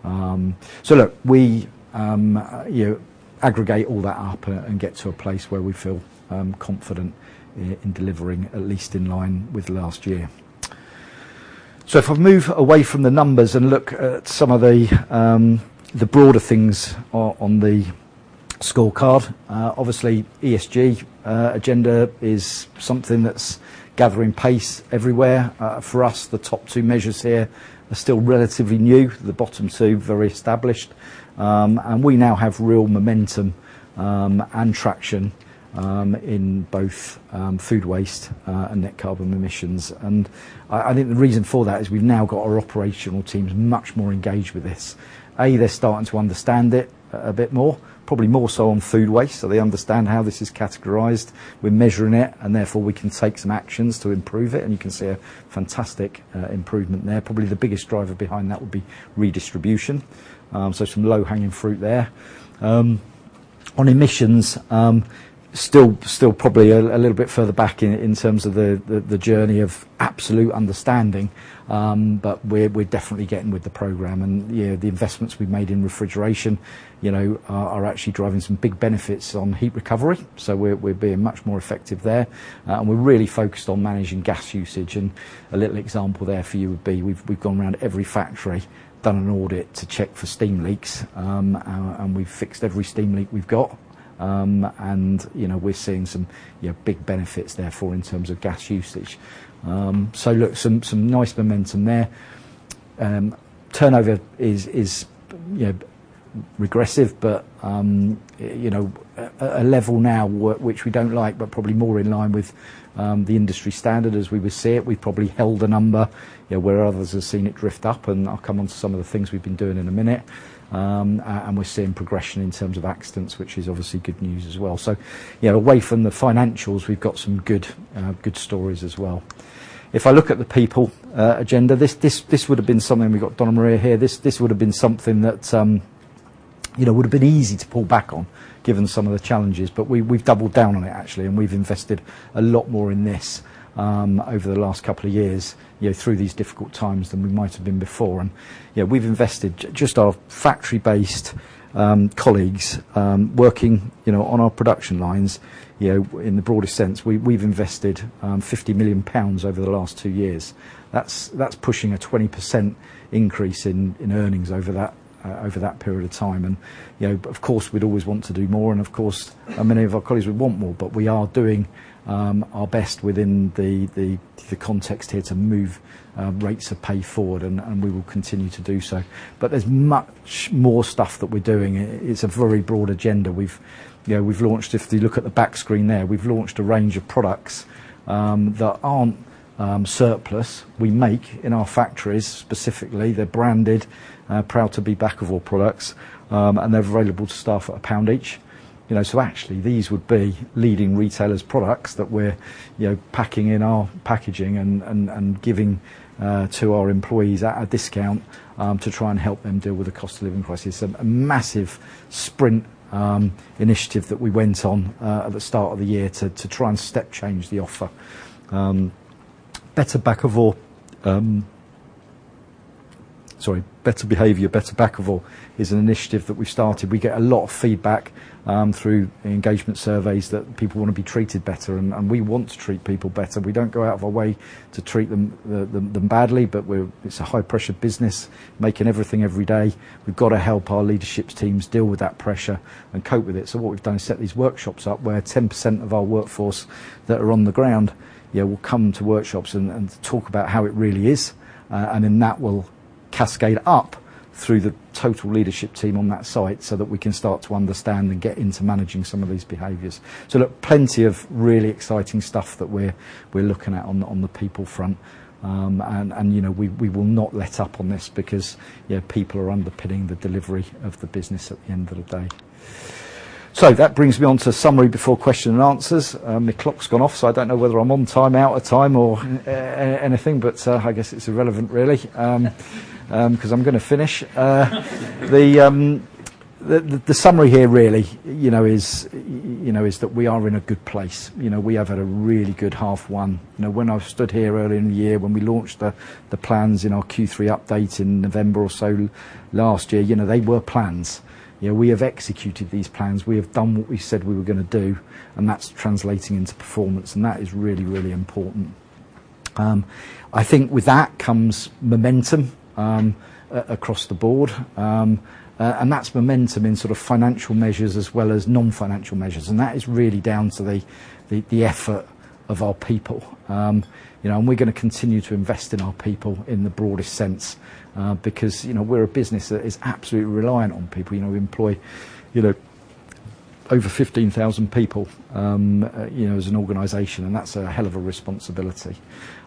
So look, we, you know, aggregate all that up and get to a place where we feel confident in delivering, at least in line with last year. So if I move away from the numbers and look at some of the broader things on the scorecard, obviously, ESG agenda is something that's gathering pace everywhere. For us, the top two measures here are still relatively new. The bottom two, very established. And we now have real momentum and traction in both food waste and net carbon emissions. And I think the reason for that is we've now got our operational teams much more engaged with this. They're starting to understand it a bit more, probably more so on food waste, so they understand how this is categorized. We're measuring it, and therefore we can take some actions to improve it, and you can see a fantastic improvement there. Probably the biggest driver behind that would be redistribution. So some low-hanging fruit there. On emissions, still probably a little bit further back in terms of the journey of absolute understanding, but we're definitely getting with the program, and, you know, the investments we've made in refrigeration, you know, are actually driving some big benefits on heat recovery, so we're being much more effective there. And we're really focused on managing gas usage. And a little example there for you would be, we've gone around every factory, done an audit to check for steam leaks, and we've fixed every steam leak we've got. And, you know, we're seeing some, you know, big benefits therefore, in terms of gas usage. So look, some nice momentum there. Turnover is, you know, regressive but, you know, a level now which we don't like, but probably more in line with the industry standard as we would see it. We've probably held a number, you know, where others have seen it drift up, and I'll come on to some of the things we've been doing in a minute. And we're seeing progression in terms of accidents, which is obviously good news as well. So, you know, away from the financials, we've got some good stories as well. If I look at the people agenda, this would have been something—we've got Donna-Maria here, this would have been something that, you know, would have been easy to pull back on, given some of the challenges. But we've doubled down on it, actually, and we've invested a lot more in this over the last couple of years, you know, through these difficult times, than we might have been before. And, you know, we've invested in just our factory-based colleagues working, you know, on our production lines. You know, in the broadest sense, we've invested 50 million pounds over the last two years. That's pushing a 20% increase in earnings over that period of time. You know, but of course, we'd always want to do more, and of course, many of our colleagues would want more, but we are doing our best within the context here to move rates of pay forward, and we will continue to do so. But there's much more stuff that we're doing. It's a very broad agenda. We've, you know, we've launched. If you look at the back screen there, we've launched a range of products that aren't surplus. We make in our factories, specifically, they're branded Proud to be Bakkavor products, and they're available to staff at GBP 1 each. You know, so actually, these would be leading retailers' products that we're, you know, packing in our packaging and giving to our employees at a discount to try and help them deal with the cost of living crisis. A massive sprint initiative that we went on at the start of the year to try and step change the offer. Better Bakkavor. Sorry, Better Behavior, Better Bakkavor is an initiative that we started. We get a lot of feedback through engagement surveys that people want to be treated better, and we want to treat people better. We don't go out of our way to treat them badly, but it's a high-pressure business, making everything every day. We've got to help our leadership teams deal with that pressure and cope with it. So what we've done is set these workshops up, where 10% of our workforce that are on the ground, you know, will come to workshops and talk about how it really is. And then that will cascade up through the total leadership team on that site, so that we can start to understand and get into managing some of these behaviors. So look, plenty of really exciting stuff that we're looking at on the people front. And, you know, we will not let up on this because, you know, people are underpinning the delivery of the business at the end of the day... So that brings me on to summary before question and answers. The clock's gone off, so I don't know whether I'm on time, out of time, or anything, but I guess it's irrelevant, really. 'Cause I'm going to finish. The summary here, really, you know, is, you know, is that we are in a good place. You know, we have had a really good half one. You know, when I stood here earlier in the year, when we launched the plans in our Q3 update in November or so last year, you know, they were plans. You know, we have executed these plans. We have done what we said we were going to do, and that's translating into performance, and that is really, really important. I think with that comes momentum across the board. And that's momentum in sort of financial measures as well as non-financial measures, and that is really down to the effort of our people. You know, and we're going to continue to invest in our people in the broadest sense, because, you know, we're a business that is absolutely reliant on people. You know, we employ, you know, over 15,000 people, you know, as an organization, and that's a hell of a responsibility.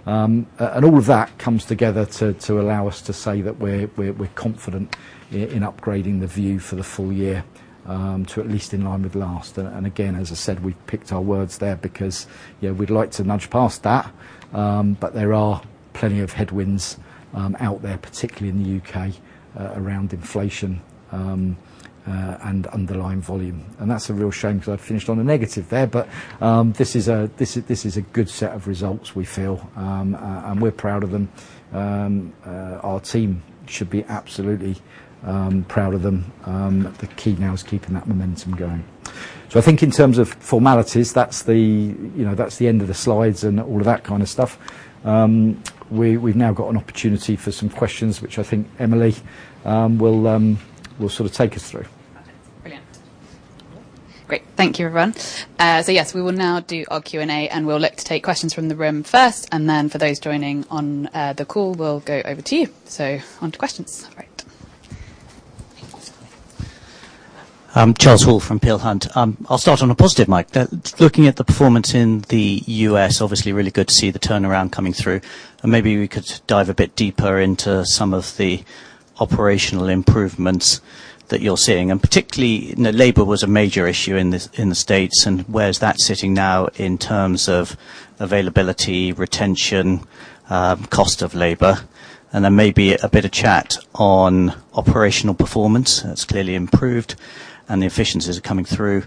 And all of that comes together to allow us to say that we're confident in upgrading the view for the full year to at least in line with last. And again, as I said, we've picked our words there because, you know, we'd like to nudge past that, but there are plenty of headwinds out there, particularly in the U.K., around inflation and underlying volume. And that's a real shame because I've finished on a negative there. But this is a good set of results, we feel. And we're proud of them. Our team should be absolutely proud of them. The key now is keeping that momentum going. So I think in terms of formalities, that's, you know, the end of the slides and all of that kind of stuff. We've now got an opportunity for some questions, which I think Emily will sort of take us through. Brilliant. Great. Thank you, everyone. So, yes, we will now do our Q&A, and we'll look to take questions from the room first, and then for those joining on the call, we'll go over to you. So on to questions. Great. Charles Hall from Peel Hunt. I'll start on a positive, Mike. Looking at the performance in the U.S., obviously really good to see the turnaround coming through, and maybe we could dive a bit deeper into some of the operational improvements that you're seeing. And particularly, you know, labor was a major issue in this, in the States, and where is that sitting now in terms of availability, retention, cost of labor? And there may be a bit of chat on operational performance. It's clearly improved, and the efficiencies are coming through.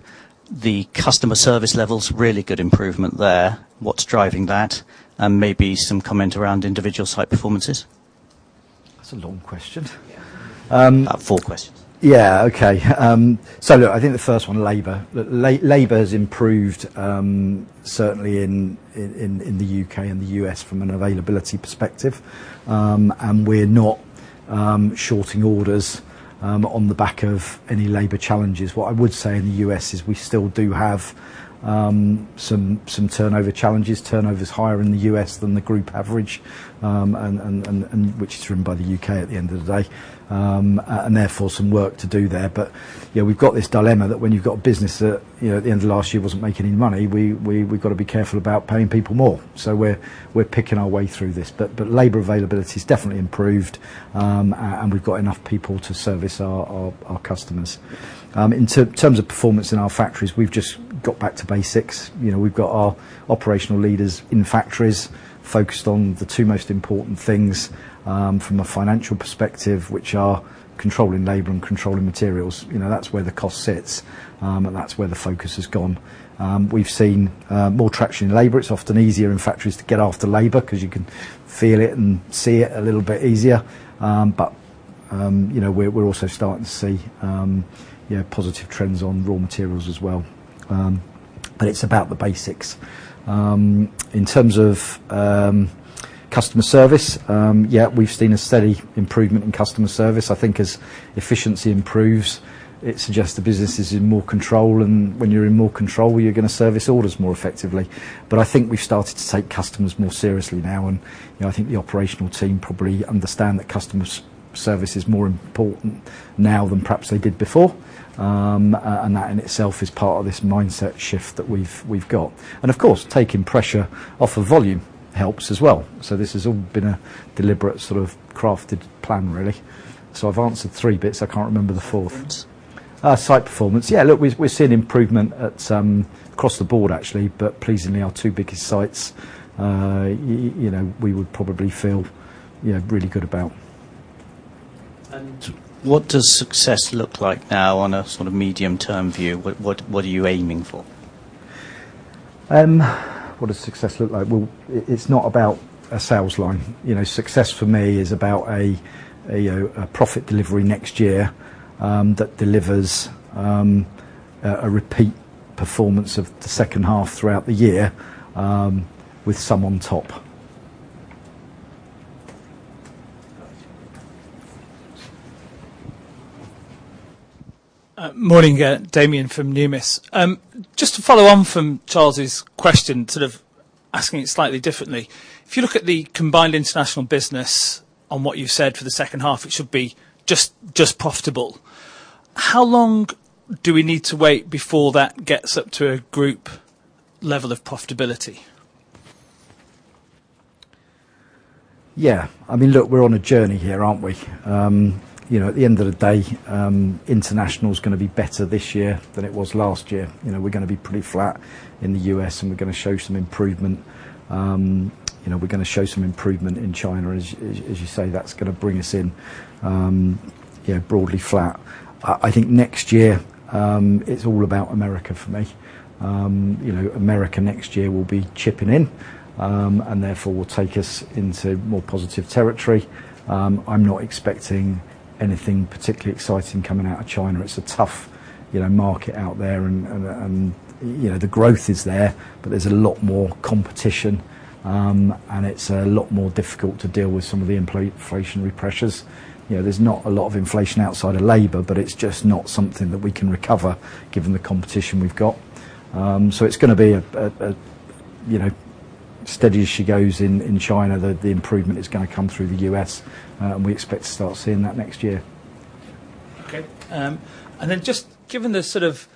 The customer service levels, really good improvement there. What's driving that? And maybe some comment around individual site performances. That's a long question. Yeah. Um- Four questions. Yeah, okay. So look, I think the first one, labor. Labor has improved, certainly in the U.K. and the U.S. from an availability perspective. And we're not shorting orders on the back of any labor challenges. What I would say in the U.S. is we still do have some turnover challenges. Turnover is higher in the U.S. than the group average, and which is driven by the U.K. at the end of the day, and therefore, some work to do there. But, yeah, we've got this dilemma that when you've got a business that, you know, at the end of last year, wasn't making any money, we've got to be careful about paying people more. So we're picking our way through this. But labor availability has definitely improved, and we've got enough people to service our customers. In terms of performance in our factories, we've just got back to basics. You know, we've got our operational leaders in factories focused on the two most important things, from a financial perspective, which are controlling labor and controlling materials. You know, that's where the cost sits, and that's where the focus has gone. We've seen more traction in labor. It's often easier in factories to get after labor, 'cause you can feel it and see it a little bit easier. But you know, we're also starting to see positive trends on raw materials as well. But it's about the basics. In terms of customer service, we've seen a steady improvement in customer service. I think as efficiency improves, it suggests the business is in more control, and when you're in more control, you're going to service orders more effectively. But I think we've started to take customers more seriously now, and, you know, I think the operational team probably understand that customer service is more important now than perhaps they did before. And that in itself is part of this mindset shift that we've, we've got. And of course, taking pressure off of volume helps as well. So this has all been a deliberate, sort of crafted plan, really. So I've answered three bits. I can't remember the fourth. Site performance. Site performance. Yeah, look, we're seeing improvement at, across the board, actually, but pleasingly, our two biggest sites, you know, we would probably feel, you know, really good about. What does success look like now on a sort of medium-term view? What, what, what are you aiming for? What does success look like? Well, it's not about a sales line. You know, success for me is about a profit delivery next year, that delivers a repeat performance of the second half throughout the year, with some on top. Morning, Damian from Numis. Just to follow on from Charles's question, sort of asking it slightly differently. If you look at the combined international business on what you've said for the second half, it should be just, just profitable. How long do we need to wait before that gets up to a group level of profitability? Yeah, I mean, look, we're on a journey here, aren't we? You know, at the end of the day, international is going to be better this year than it was last year. You know, we're going to be pretty flat in the U.S., and we're going to show some improvement, you know, we're going to show some improvement in China. As you say, that's going to bring us in, you know, broadly flat. I think next year, it's all about America for me. You know, America next year will be chipping in, and therefore, will take us into more positive territory. I'm not expecting anything particularly exciting coming out of China. It's a tough, you know, market out there and, you know, the growth is there, but there's a lot more competition, and it's a lot more difficult to deal with some of the inflationary pressures. You know, there's not a lot of inflation outside of labor, but it's just not something that we can recover given the competition we've got. So it's going to be a, you know, steady as she goes in China. The improvement is going to come through the U.S., and we expect to start seeing that next year. Okay, and then just given the sort of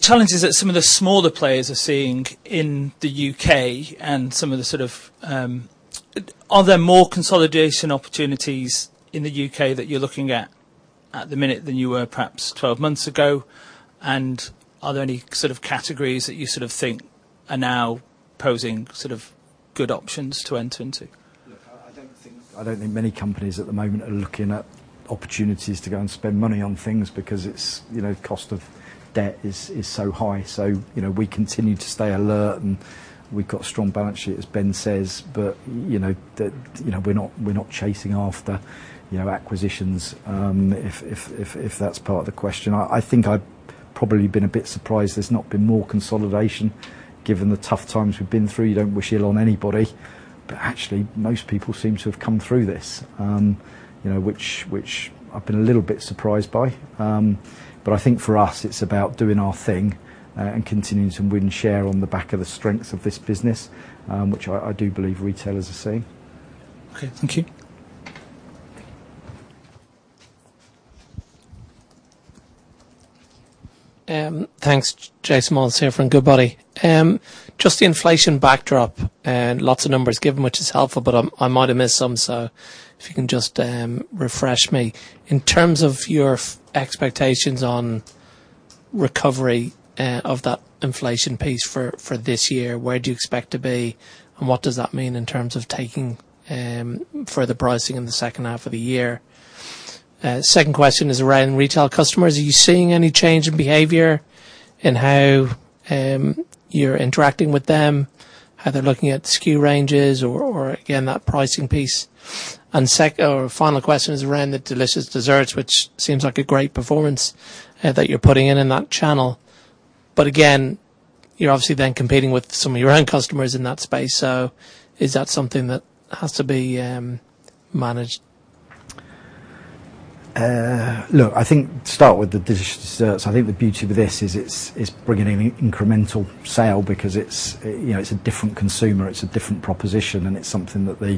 challenges that some of the smaller players are seeing in the U.K. and some of the sort of... Are there more consolidation opportunities in the U.K. that you're looking at, at the minute than you were perhaps 12 months ago? And are there any sort of categories that you sort of think are now posing sort of good options to enter into? Look, I don't think, I don't think many companies at the moment are looking at opportunities to go and spend money on things because it's, you know, cost of debt is so high. So, you know, we continue to stay alert, and we've got a strong balance sheet, as Ben says. But, you know, we're not, we're not chasing after, you know, acquisitions, if, if, if, if that's part of the question. I think I've probably been a bit surprised there's not been more consolidation given the tough times we've been through. You don't wish it on anybody, but actually, most people seem to have come through this. You know, which I've been a little bit surprised by. But I think for us, it's about doing our thing, and continuing to win share on the back of the strengths of this business, which I do believe retailers are seeing. Okay. Thank you. Thanks. Jason Molins here from Goodbody. Just the inflation backdrop, and lots of numbers given, which is helpful, but I might have missed some, so if you can just refresh me. In terms of your expectations on recovery of that inflation piece for this year, where do you expect to be, and what does that mean in terms of taking further pricing in the second half of the year? Second question is around retail customers. Are you seeing any change in behavior in how you're interacting with them, how they're looking at SKU ranges, or again, that pricing piece? And second or final question is around the Delicious Desserts, which seems like a great performance that you're putting in in that channel. But again, you're obviously then competing with some of your own customers in that space, so is that something that has to be managed? Look, I think start with the Delicious Desserts. I think the beauty with this is, it's bringing in an incremental sale because it's, you know, it's a different consumer, it's a different proposition, and it's something that the,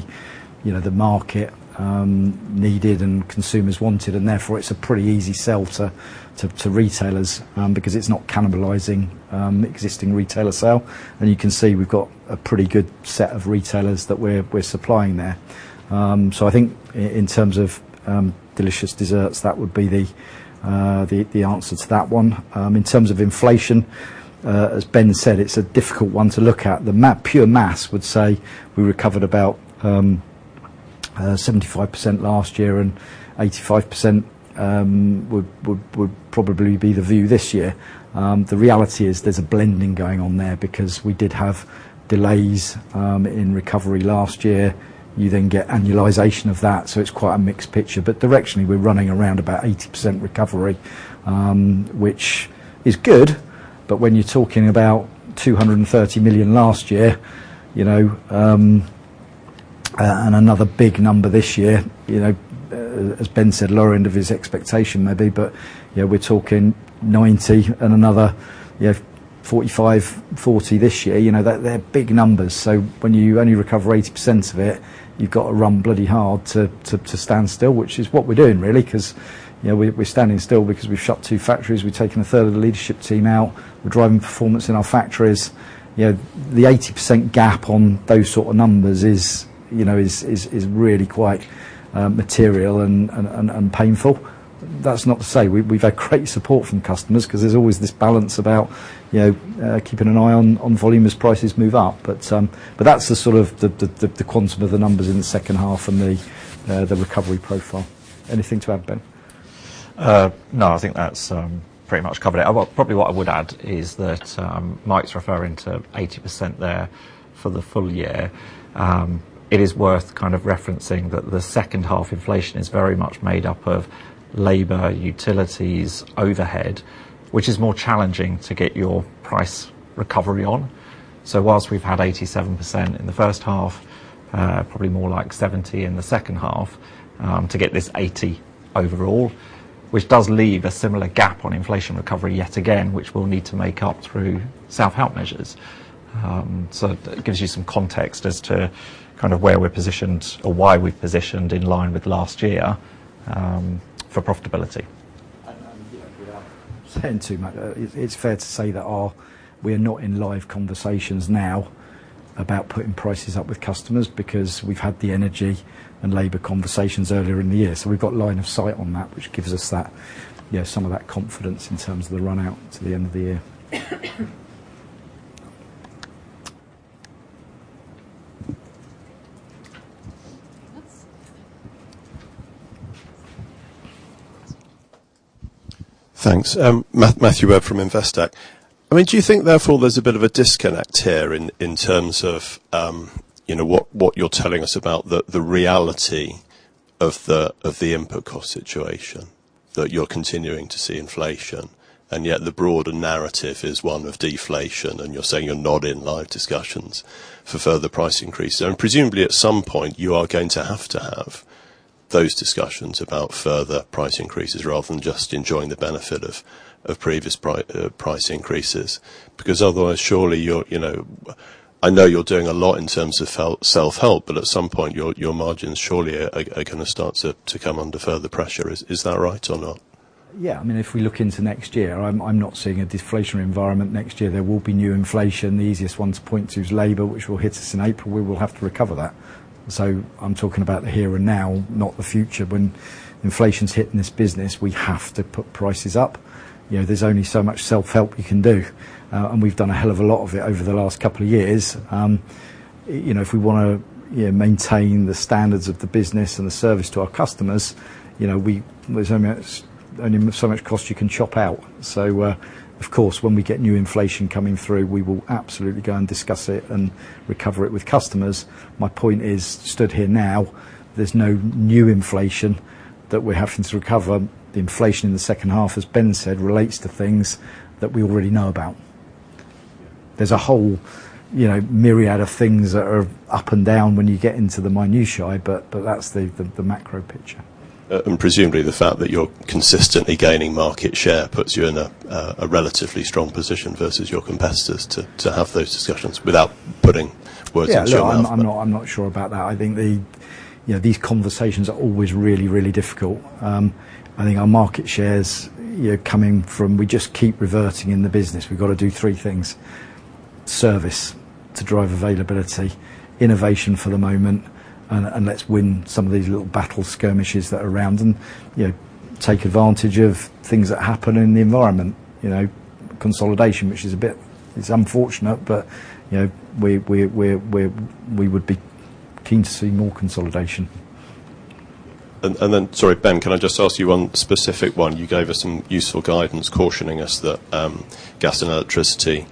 you know, the market needed and consumers wanted, and therefore, it's a pretty easy sell to retailers, because it's not cannibalizing existing retailer sale. You can see we've got a pretty good set of retailers that we're supplying there. I think in terms of Delicious Desserts, that would be the answer to that one. In terms of inflation, as Ben said, it's a difficult one to look at. The pure maths would say we recovered about 75% last year, and 85% would probably be the view this year. The reality is there's a blending going on there because we did have delays in recovery last year. You then get annualization of that, so it's quite a mixed picture. But directionally, we're running around about 80% recovery, which is good, but when you're talking about 230 million last year, you know, and another big number this year, you know, as Ben said, lower end of his expectation maybe, but, you know, we're talking 90 and another, you know, 45, 40 this year. You know, they're big numbers. So when you only recover 80% of it, you've got to run bloody hard to stand still, which is what we're doing, really, 'cause, you know, we're standing still because we've shut 2 factories, we've taken a third of the leadership team out, we're driving performance in our factories. You know, the 80% gap on those sort of numbers is, you know, really quite material and painful. That's not to say... We've had great support from customers 'cause there's always this balance about, you know, keeping an eye on volume as prices move up. But that's the sort of the quantum of the numbers in the second half and the recovery profile. Anything to add, Ben? No, I think that's pretty much covered it. Well, probably what I would add is that Mike's referring to 80% there for the full year. It is worth kind of referencing that the second half inflation is very much made up of labor, utilities, overhead, which is more challenging to get your price recovery on. So whilst we've had 87% in the first half, probably more like 70% in the second half, to get this 80% overall, which does leave a similar gap on inflation recovery yet again, which we'll need to make up through self-help measures. So that gives you some context as to kind of where we're positioned or why we're positioned in line with last year, for profitability. Saying too much. It's fair to say that we are not in live conversations now about putting prices up with customers, because we've had the energy and labor conversations earlier in the year. So we've got line of sight on that, which gives us that, yeah, some of that confidence in terms of the run out to the end of the year. Thanks. Matthew Webb from Investec. I mean, do you think therefore there's a bit of a disconnect here in terms of, you know, what you're telling us about the reality of the input cost situation? That you're continuing to see inflation, and yet the broader narrative is one of deflation, and you're saying you're not in live discussions for further price increases. So presumably, at some point, you are going to have to have those discussions about further price increases, rather than just enjoying the benefit of previous price increases. Because otherwise, surely you're, you know... I know you're doing a lot in terms of self-help, but at some point, your margins surely are gonna start to come under further pressure. Is that right or not? Yeah. I mean, if we look into next year, I'm not seeing a deflationary environment next year. There will be new inflation. The easiest one to point to is labor, which will hit us in April. We will have to recover that. So I'm talking about the here and now, not the future. When inflation's hitting this business, we have to put prices up. You know, there's only so much self-help you can do, and we've done a hell of a lot of it over the last couple of years. You know, if we wanna, you know, maintain the standards of the business and the service to our customers, you know, there's only so much cost you can chop out. So, of course, when we get new inflation coming through, we will absolutely go and discuss it and recover it with customers. My point is, stood here now, there's no new inflation that we're having to recover. The inflation in the second half, as Ben said, relates to things that we already know about. There's a whole, you know, myriad of things that are up and down when you get into the minutiae, but that's the macro picture. And presumably, the fact that you're consistently gaining market share puts you in a relatively strong position versus your competitors, to have those discussions without putting words in your mouth? Yeah. Look, I'm not, I'm not sure about that. I think the... You know, these conversations are always really, really difficult. I think our market shares, you know, coming from we just keep reverting in the business. We've got to do three things: service to drive availability, innovation for the moment, and let's win some of these little battle skirmishes that are around, and, you know, take advantage of things that happen in the environment. You know, consolidation, which is a bit... It's unfortunate, but, you know, we, we, we're, we're, we would be keen to see more consolidation. Then, sorry, Ben, can I just ask you one specific one? You gave us some useful guidance, cautioning us that gas and electricity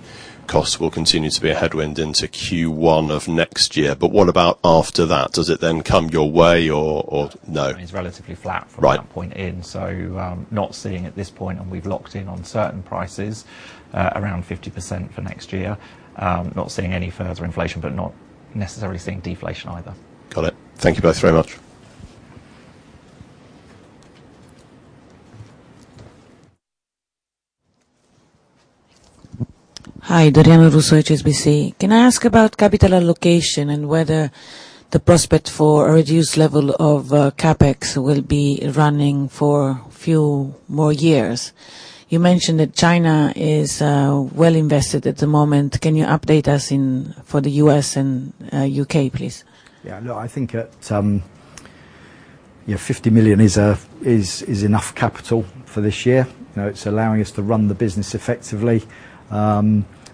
costs will continue to be a headwind into Q1 of next year. But what about after that? Does it then come your way, or no? It's relatively flat- Right From that point in, not seeing at this point, and we've locked in on certain prices, around 50% for next year. Not seeing any further inflation, but not necessarily seeing deflation, either. Got it. Thank you both very much. Hi, Darianna Sheridan at HSBC. Can I ask about capital allocation and whether the prospect for a reduced level of CapEx will be running for a few more years? You mentioned that China is well invested at the moment. Can you update us in, for the U.S. and U.K., please? Yeah. No, I think at, yeah, 50 million is enough capital for this year. You know, it's allowing us to run the business effectively.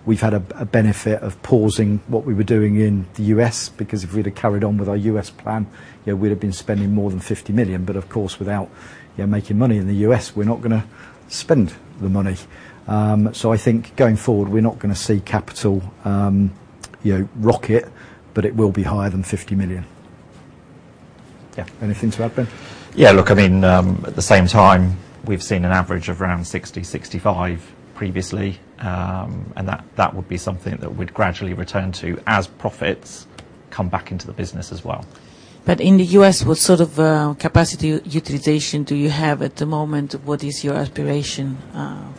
We've had a benefit of pausing what we were doing in the U.S., because if we'd have carried on with our U.S. plan, you know, we'd have been spending more than 50 million. But of course, without, you know, making money in the U.S., we're not gonna spend the money. So I think going forward, we're not gonna see capital, you know, rocket, but it will be higher than 50 million. Yeah. Anything to add, Ben? Yeah, look, I mean, at the same time, we've seen an average of around 60-65 previously. And that, that would be something that we'd gradually return to, as profits come back into the business as well. In the U.S., what sort of capacity utilization do you have at the moment? What is your aspiration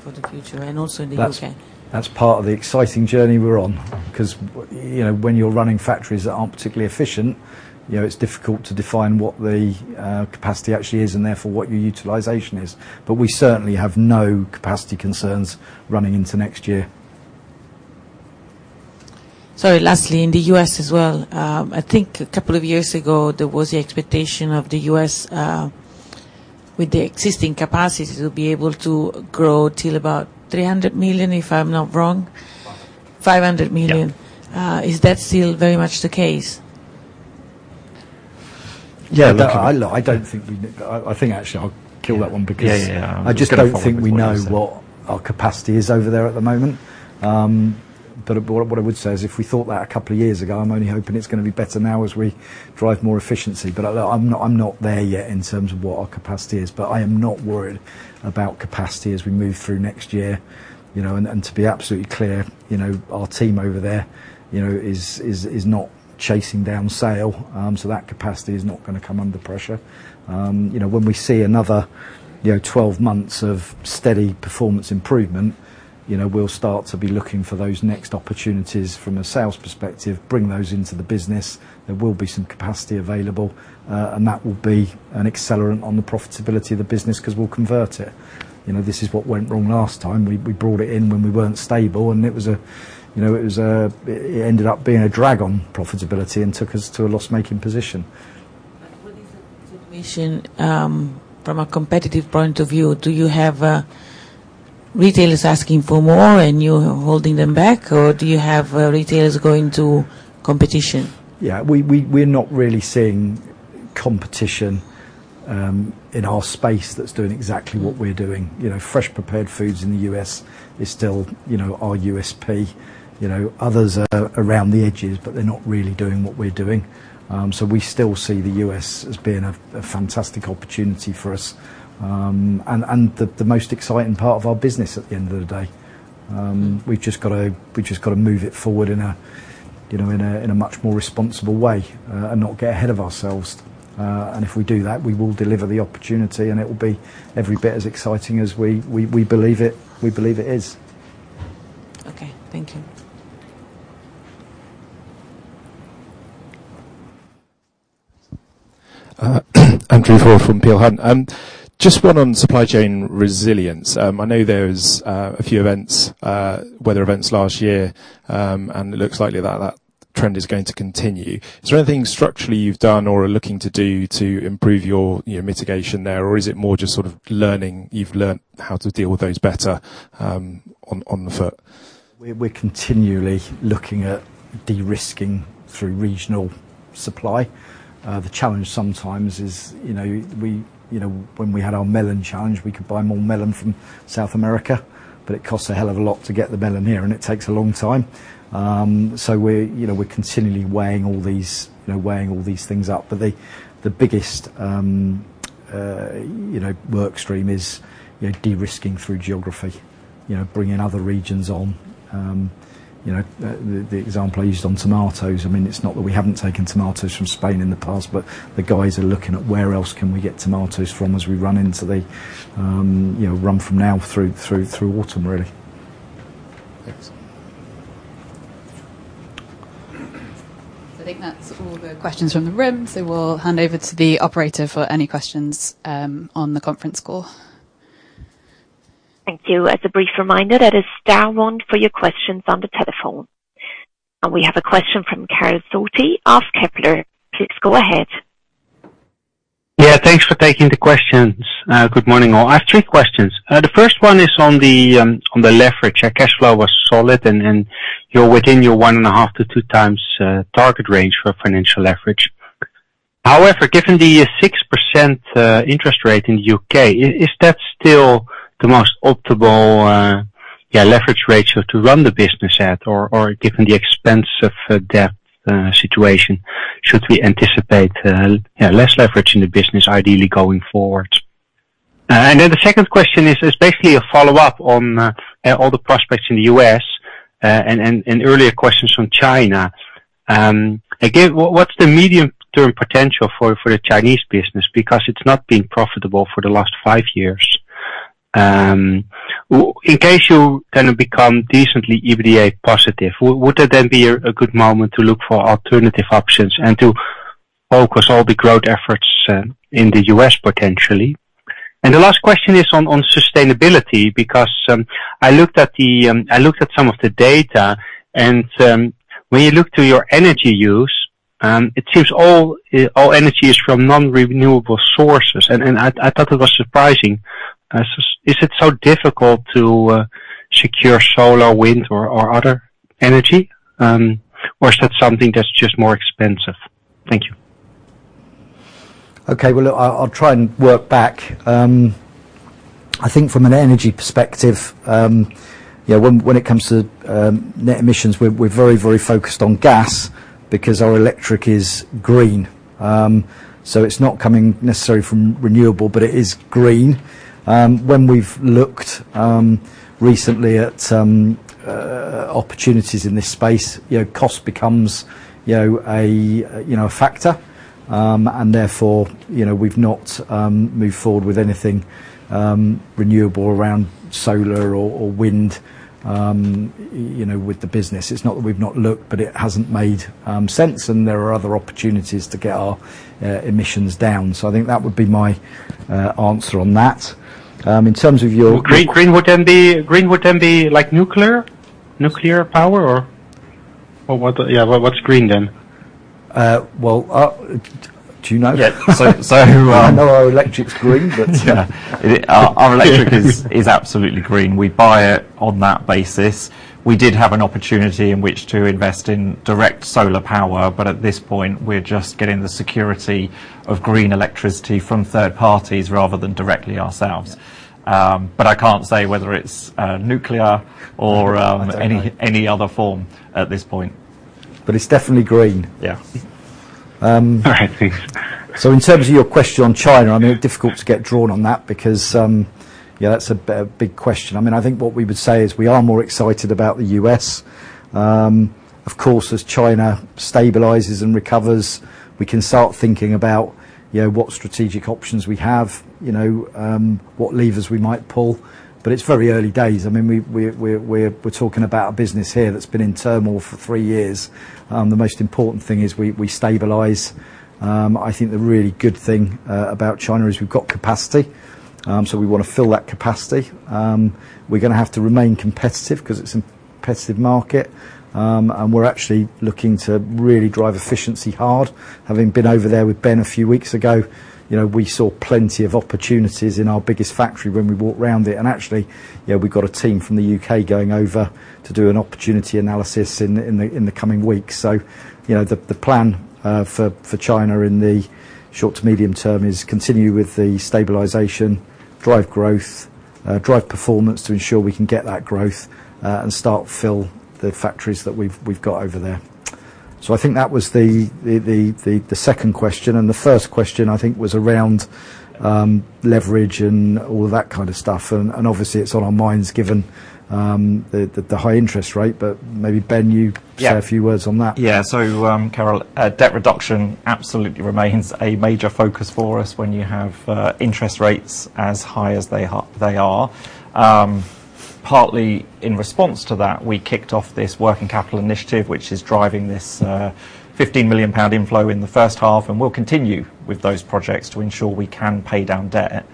for the future, and also in the U.K.? That's part of the exciting journey we're on. 'Cause you know, when you're running factories that aren't particularly efficient, you know, it's difficult to define what the capacity actually is, and therefore, what your utilization is. But we certainly have no capacity concerns running into next year. Sorry, lastly, in the U.S. as well, I think a couple of years ago, there was the expectation of the U.S., with the existing capacity, to be able to grow till about $300 million, if I'm not wrong. Five. 500 million. Yep. Is that still very much the case? Yeah. Look, I- I think, actually, I'll kill that one, because- Yeah, yeah, yeah. I just don't think we know- Follow up with what you said. What our capacity is over there at the moment. But what I would say is, if we thought that a couple of years ago, I'm only hoping it's gonna be better now as we drive more efficiency. But I'm not there yet in terms of what our capacity is. But I am not worried about capacity as we move through next year, you know. And to be absolutely clear, you know, our team over there, you know, is not chasing down sales. So that capacity is not gonna come under pressure. You know, when we see another 12 months of steady performance improvement, you know, we'll start to be looking for those next opportunities from a sales perspective, bring those into the business. There will be some capacity available, and that will be an accelerant on the profitability of the business, 'cause we'll convert it. You know, this is what went wrong last time. We brought it in when we weren't stable, and it ended up being a drag on profitability and took us to a loss-making position. From a competitive point of view, do you have retailers asking for more and you're holding them back, or do you have retailers going to competition? Yeah, we're not really seeing competition in our space that's doing exactly what we're doing. You know, fresh prepared foods in the U.S. is still, you know, our USP. You know, others are around the edges, but they're not really doing what we're doing. So we still see the U.S. as being a fantastic opportunity for us. And the most exciting part of our business at the end of the day. We've just got to move it forward in a you know in a much more responsible way, and not get ahead of ourselves. And if we do that, we will deliver the opportunity, and it will be every bit as exciting as we believe it is. Okay, thank you. Andrew Hall from Peel Hunt. Just one on supply chain resilience. I know there's a few events, weather events last year, and it looks likely that that trend is going to continue. Is there anything structurally you've done or are looking to do to improve your, your mitigation there? Or is it more just sort of learning... You've learned how to deal with those better, on, on the foot? We're continually looking at de-risking through regional supply. The challenge sometimes is, you know, when we had our melon challenge, we could buy more melon from South America, but it costs a hell of a lot to get the melon here, and it takes a long time. So we're, you know, we're continually weighing all these, you know, weighing all these things up. But the biggest, you know, work stream is, you know, de-risking through geography. You know, bringing other regions on. You know, the example I used on tomatoes, I mean, it's not that we haven't taken tomatoes from Spain in the past, but the guys are looking at where else can we get tomatoes from as we run into the, you know, run from now through autumn, really. Thanks. I think that's all the questions from the room, so we'll hand over to the operator for any questions on the conference call. Thank you. As a brief reminder, that is star one for your questions on the telephone. We have a question from Karel Zoete of Kepler. Please go ahead. Yeah, thanks for taking the questions. Good morning, all. I have three questions. The first one is on the leverage. Our cash flow was solid and you're within your 1.5-2 times target range for financial leverage. However, given the 6% interest rate in the U.K., is that still the most optimal leverage ratio to run the business at, or given the expense of debt situation, should we anticipate less leverage in the business, ideally going forward? And then the second question is basically a follow-up on all the prospects in the U.S. and earlier questions from China. Again, what's the medium-term potential for the Chinese business? Because it's not been profitable for the last 5 years. In case you kind of become decently EBITDA positive, would that then be a good moment to look for alternative options and to focus all the growth efforts in the U.S., potentially? And the last question is on sustainability, because I looked at some of the data, and when you look to your energy use, it seems all energy is from non-renewable sources, and I thought it was surprising. So is it so difficult to secure solar, wind or other energy? Or is that something that's just more expensive? Thank you. Okay. Well, look, I'll, I'll try and work back. I think from an energy perspective, yeah, when, when it comes to, net emissions, we're, we're very, very focused on gas because our electric is green. So it's not coming necessarily from renewable, but it is green. When we've looked, recently at some, opportunities in this space, you know, cost becomes, you know, a, you know, a factor, and therefore, you know, we've not, moved forward with anything, renewable around solar or, or wind, you know, with the business. It's not that we've not looked, but it hasn't made, sense, and there are other opportunities to get our, emissions down. So I think that would be my, answer on that. In terms of your- Green, green would then be, green would then be like nuclear? Nuclear power or, or what? Yeah, what, what's green then? Well, do you know? Yeah, so. I know our electric's green, but- Yeah. Our electric is absolutely green. We buy it on that basis. We did have an opportunity in which to invest in direct solar power, but at this point, we're just getting the security of green electricity from third parties, rather than directly ourselves. But I can't say whether it's nuclear or I don't know. Any other form at this point. But it's definitely green. Yeah. Um- All right, thanks. So in terms of your question on China, I mean, difficult to get drawn on that because, yeah, that's a big question. I mean, I think what we would say is we are more excited about the U.S. Of course, as China stabilizes and recovers, we can start thinking about, you know, what strategic options we have, you know, what levers we might pull, but it's very early days. I mean, we're talking about a business here that's been in turmoil for three years. The most important thing is we stabilize. I think the really good thing about China is we've got capacity, so we want to fill that capacity. We're gonna have to remain competitive 'cause it's a competitive market, and we're actually looking to really drive efficiency hard. Having been over there with Ben a few weeks ago, you know, we saw plenty of opportunities in our biggest factory when we walked around it. And actually, you know, we've got a team from the U.K. going over to do an opportunity analysis in the coming weeks. So, you know, the plan for China in the short to medium term is continue with the stabilization, drive growth, drive performance to ensure we can get that growth, and start fill the factories that we've got over there. So I think that was the second question, and the first question, I think, was around leverage and all that kind of stuff. And obviously, it's on our minds, given the high interest rate, but maybe, Ben, you- Yeah. Share a few words on that. Yeah. So, Karel, debt reduction absolutely remains a major focus for us when you have interest rates as high as they are, they are. Partly in response to that, we kicked off this working capital initiative, which is driving this 15 million pound inflow in the first half, and we'll continue with those projects to ensure we can pay down debt.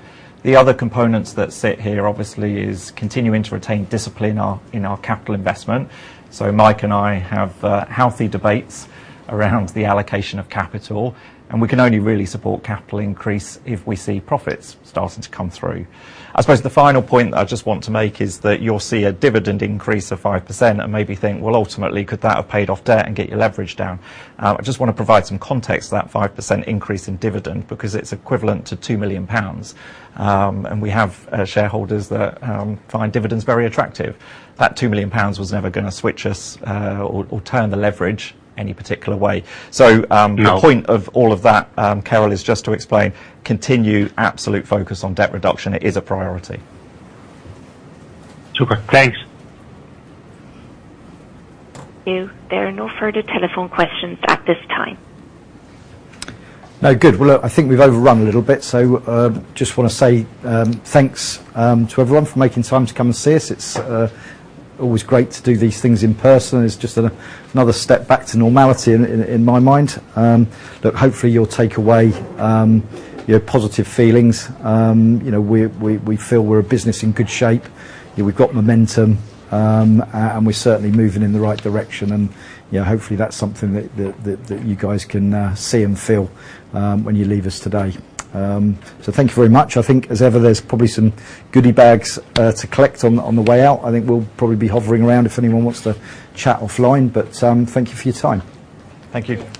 The other components that sit here, obviously, is continuing to retain discipline our, in our capital investment. So Mike and I have healthy debates around the allocation of capital, and we can only really support capital increase if we see profits starting to come through. I suppose the final point that I just want to make is that you'll see a dividend increase of 5% and maybe think, Well, ultimately, could that have paid off debt and get your leverage down? I just wanna provide some context to that 5% increase in dividend because it's equivalent to 2 million pounds. And we have shareholders that find dividends very attractive. That 2 million pounds was never gonna switch us, or turn the leverage any particular way. So, No. The point of all of that, Karel, is just to explain continued absolute focus on debt reduction. It is a priority. Super. Thanks. You, there are no further telephone questions at this time. Now, good. Well, I think we've overrun a little bit, so just wanna say, thanks to everyone for making time to come and see us. It's always great to do these things in person. It's just another step back to normality in my mind. But hopefully, you'll take away your positive feelings. You know, we feel we're a business in good shape. We've got momentum, and we're certainly moving in the right direction, and you know, hopefully, that's something that you guys can see and feel when you leave us today. So thank you very much. I think, as ever, there's probably some goodie bags to collect on the way out. I think we'll probably be hovering around if anyone wants to chat offline, but thank you for your time. Thank you.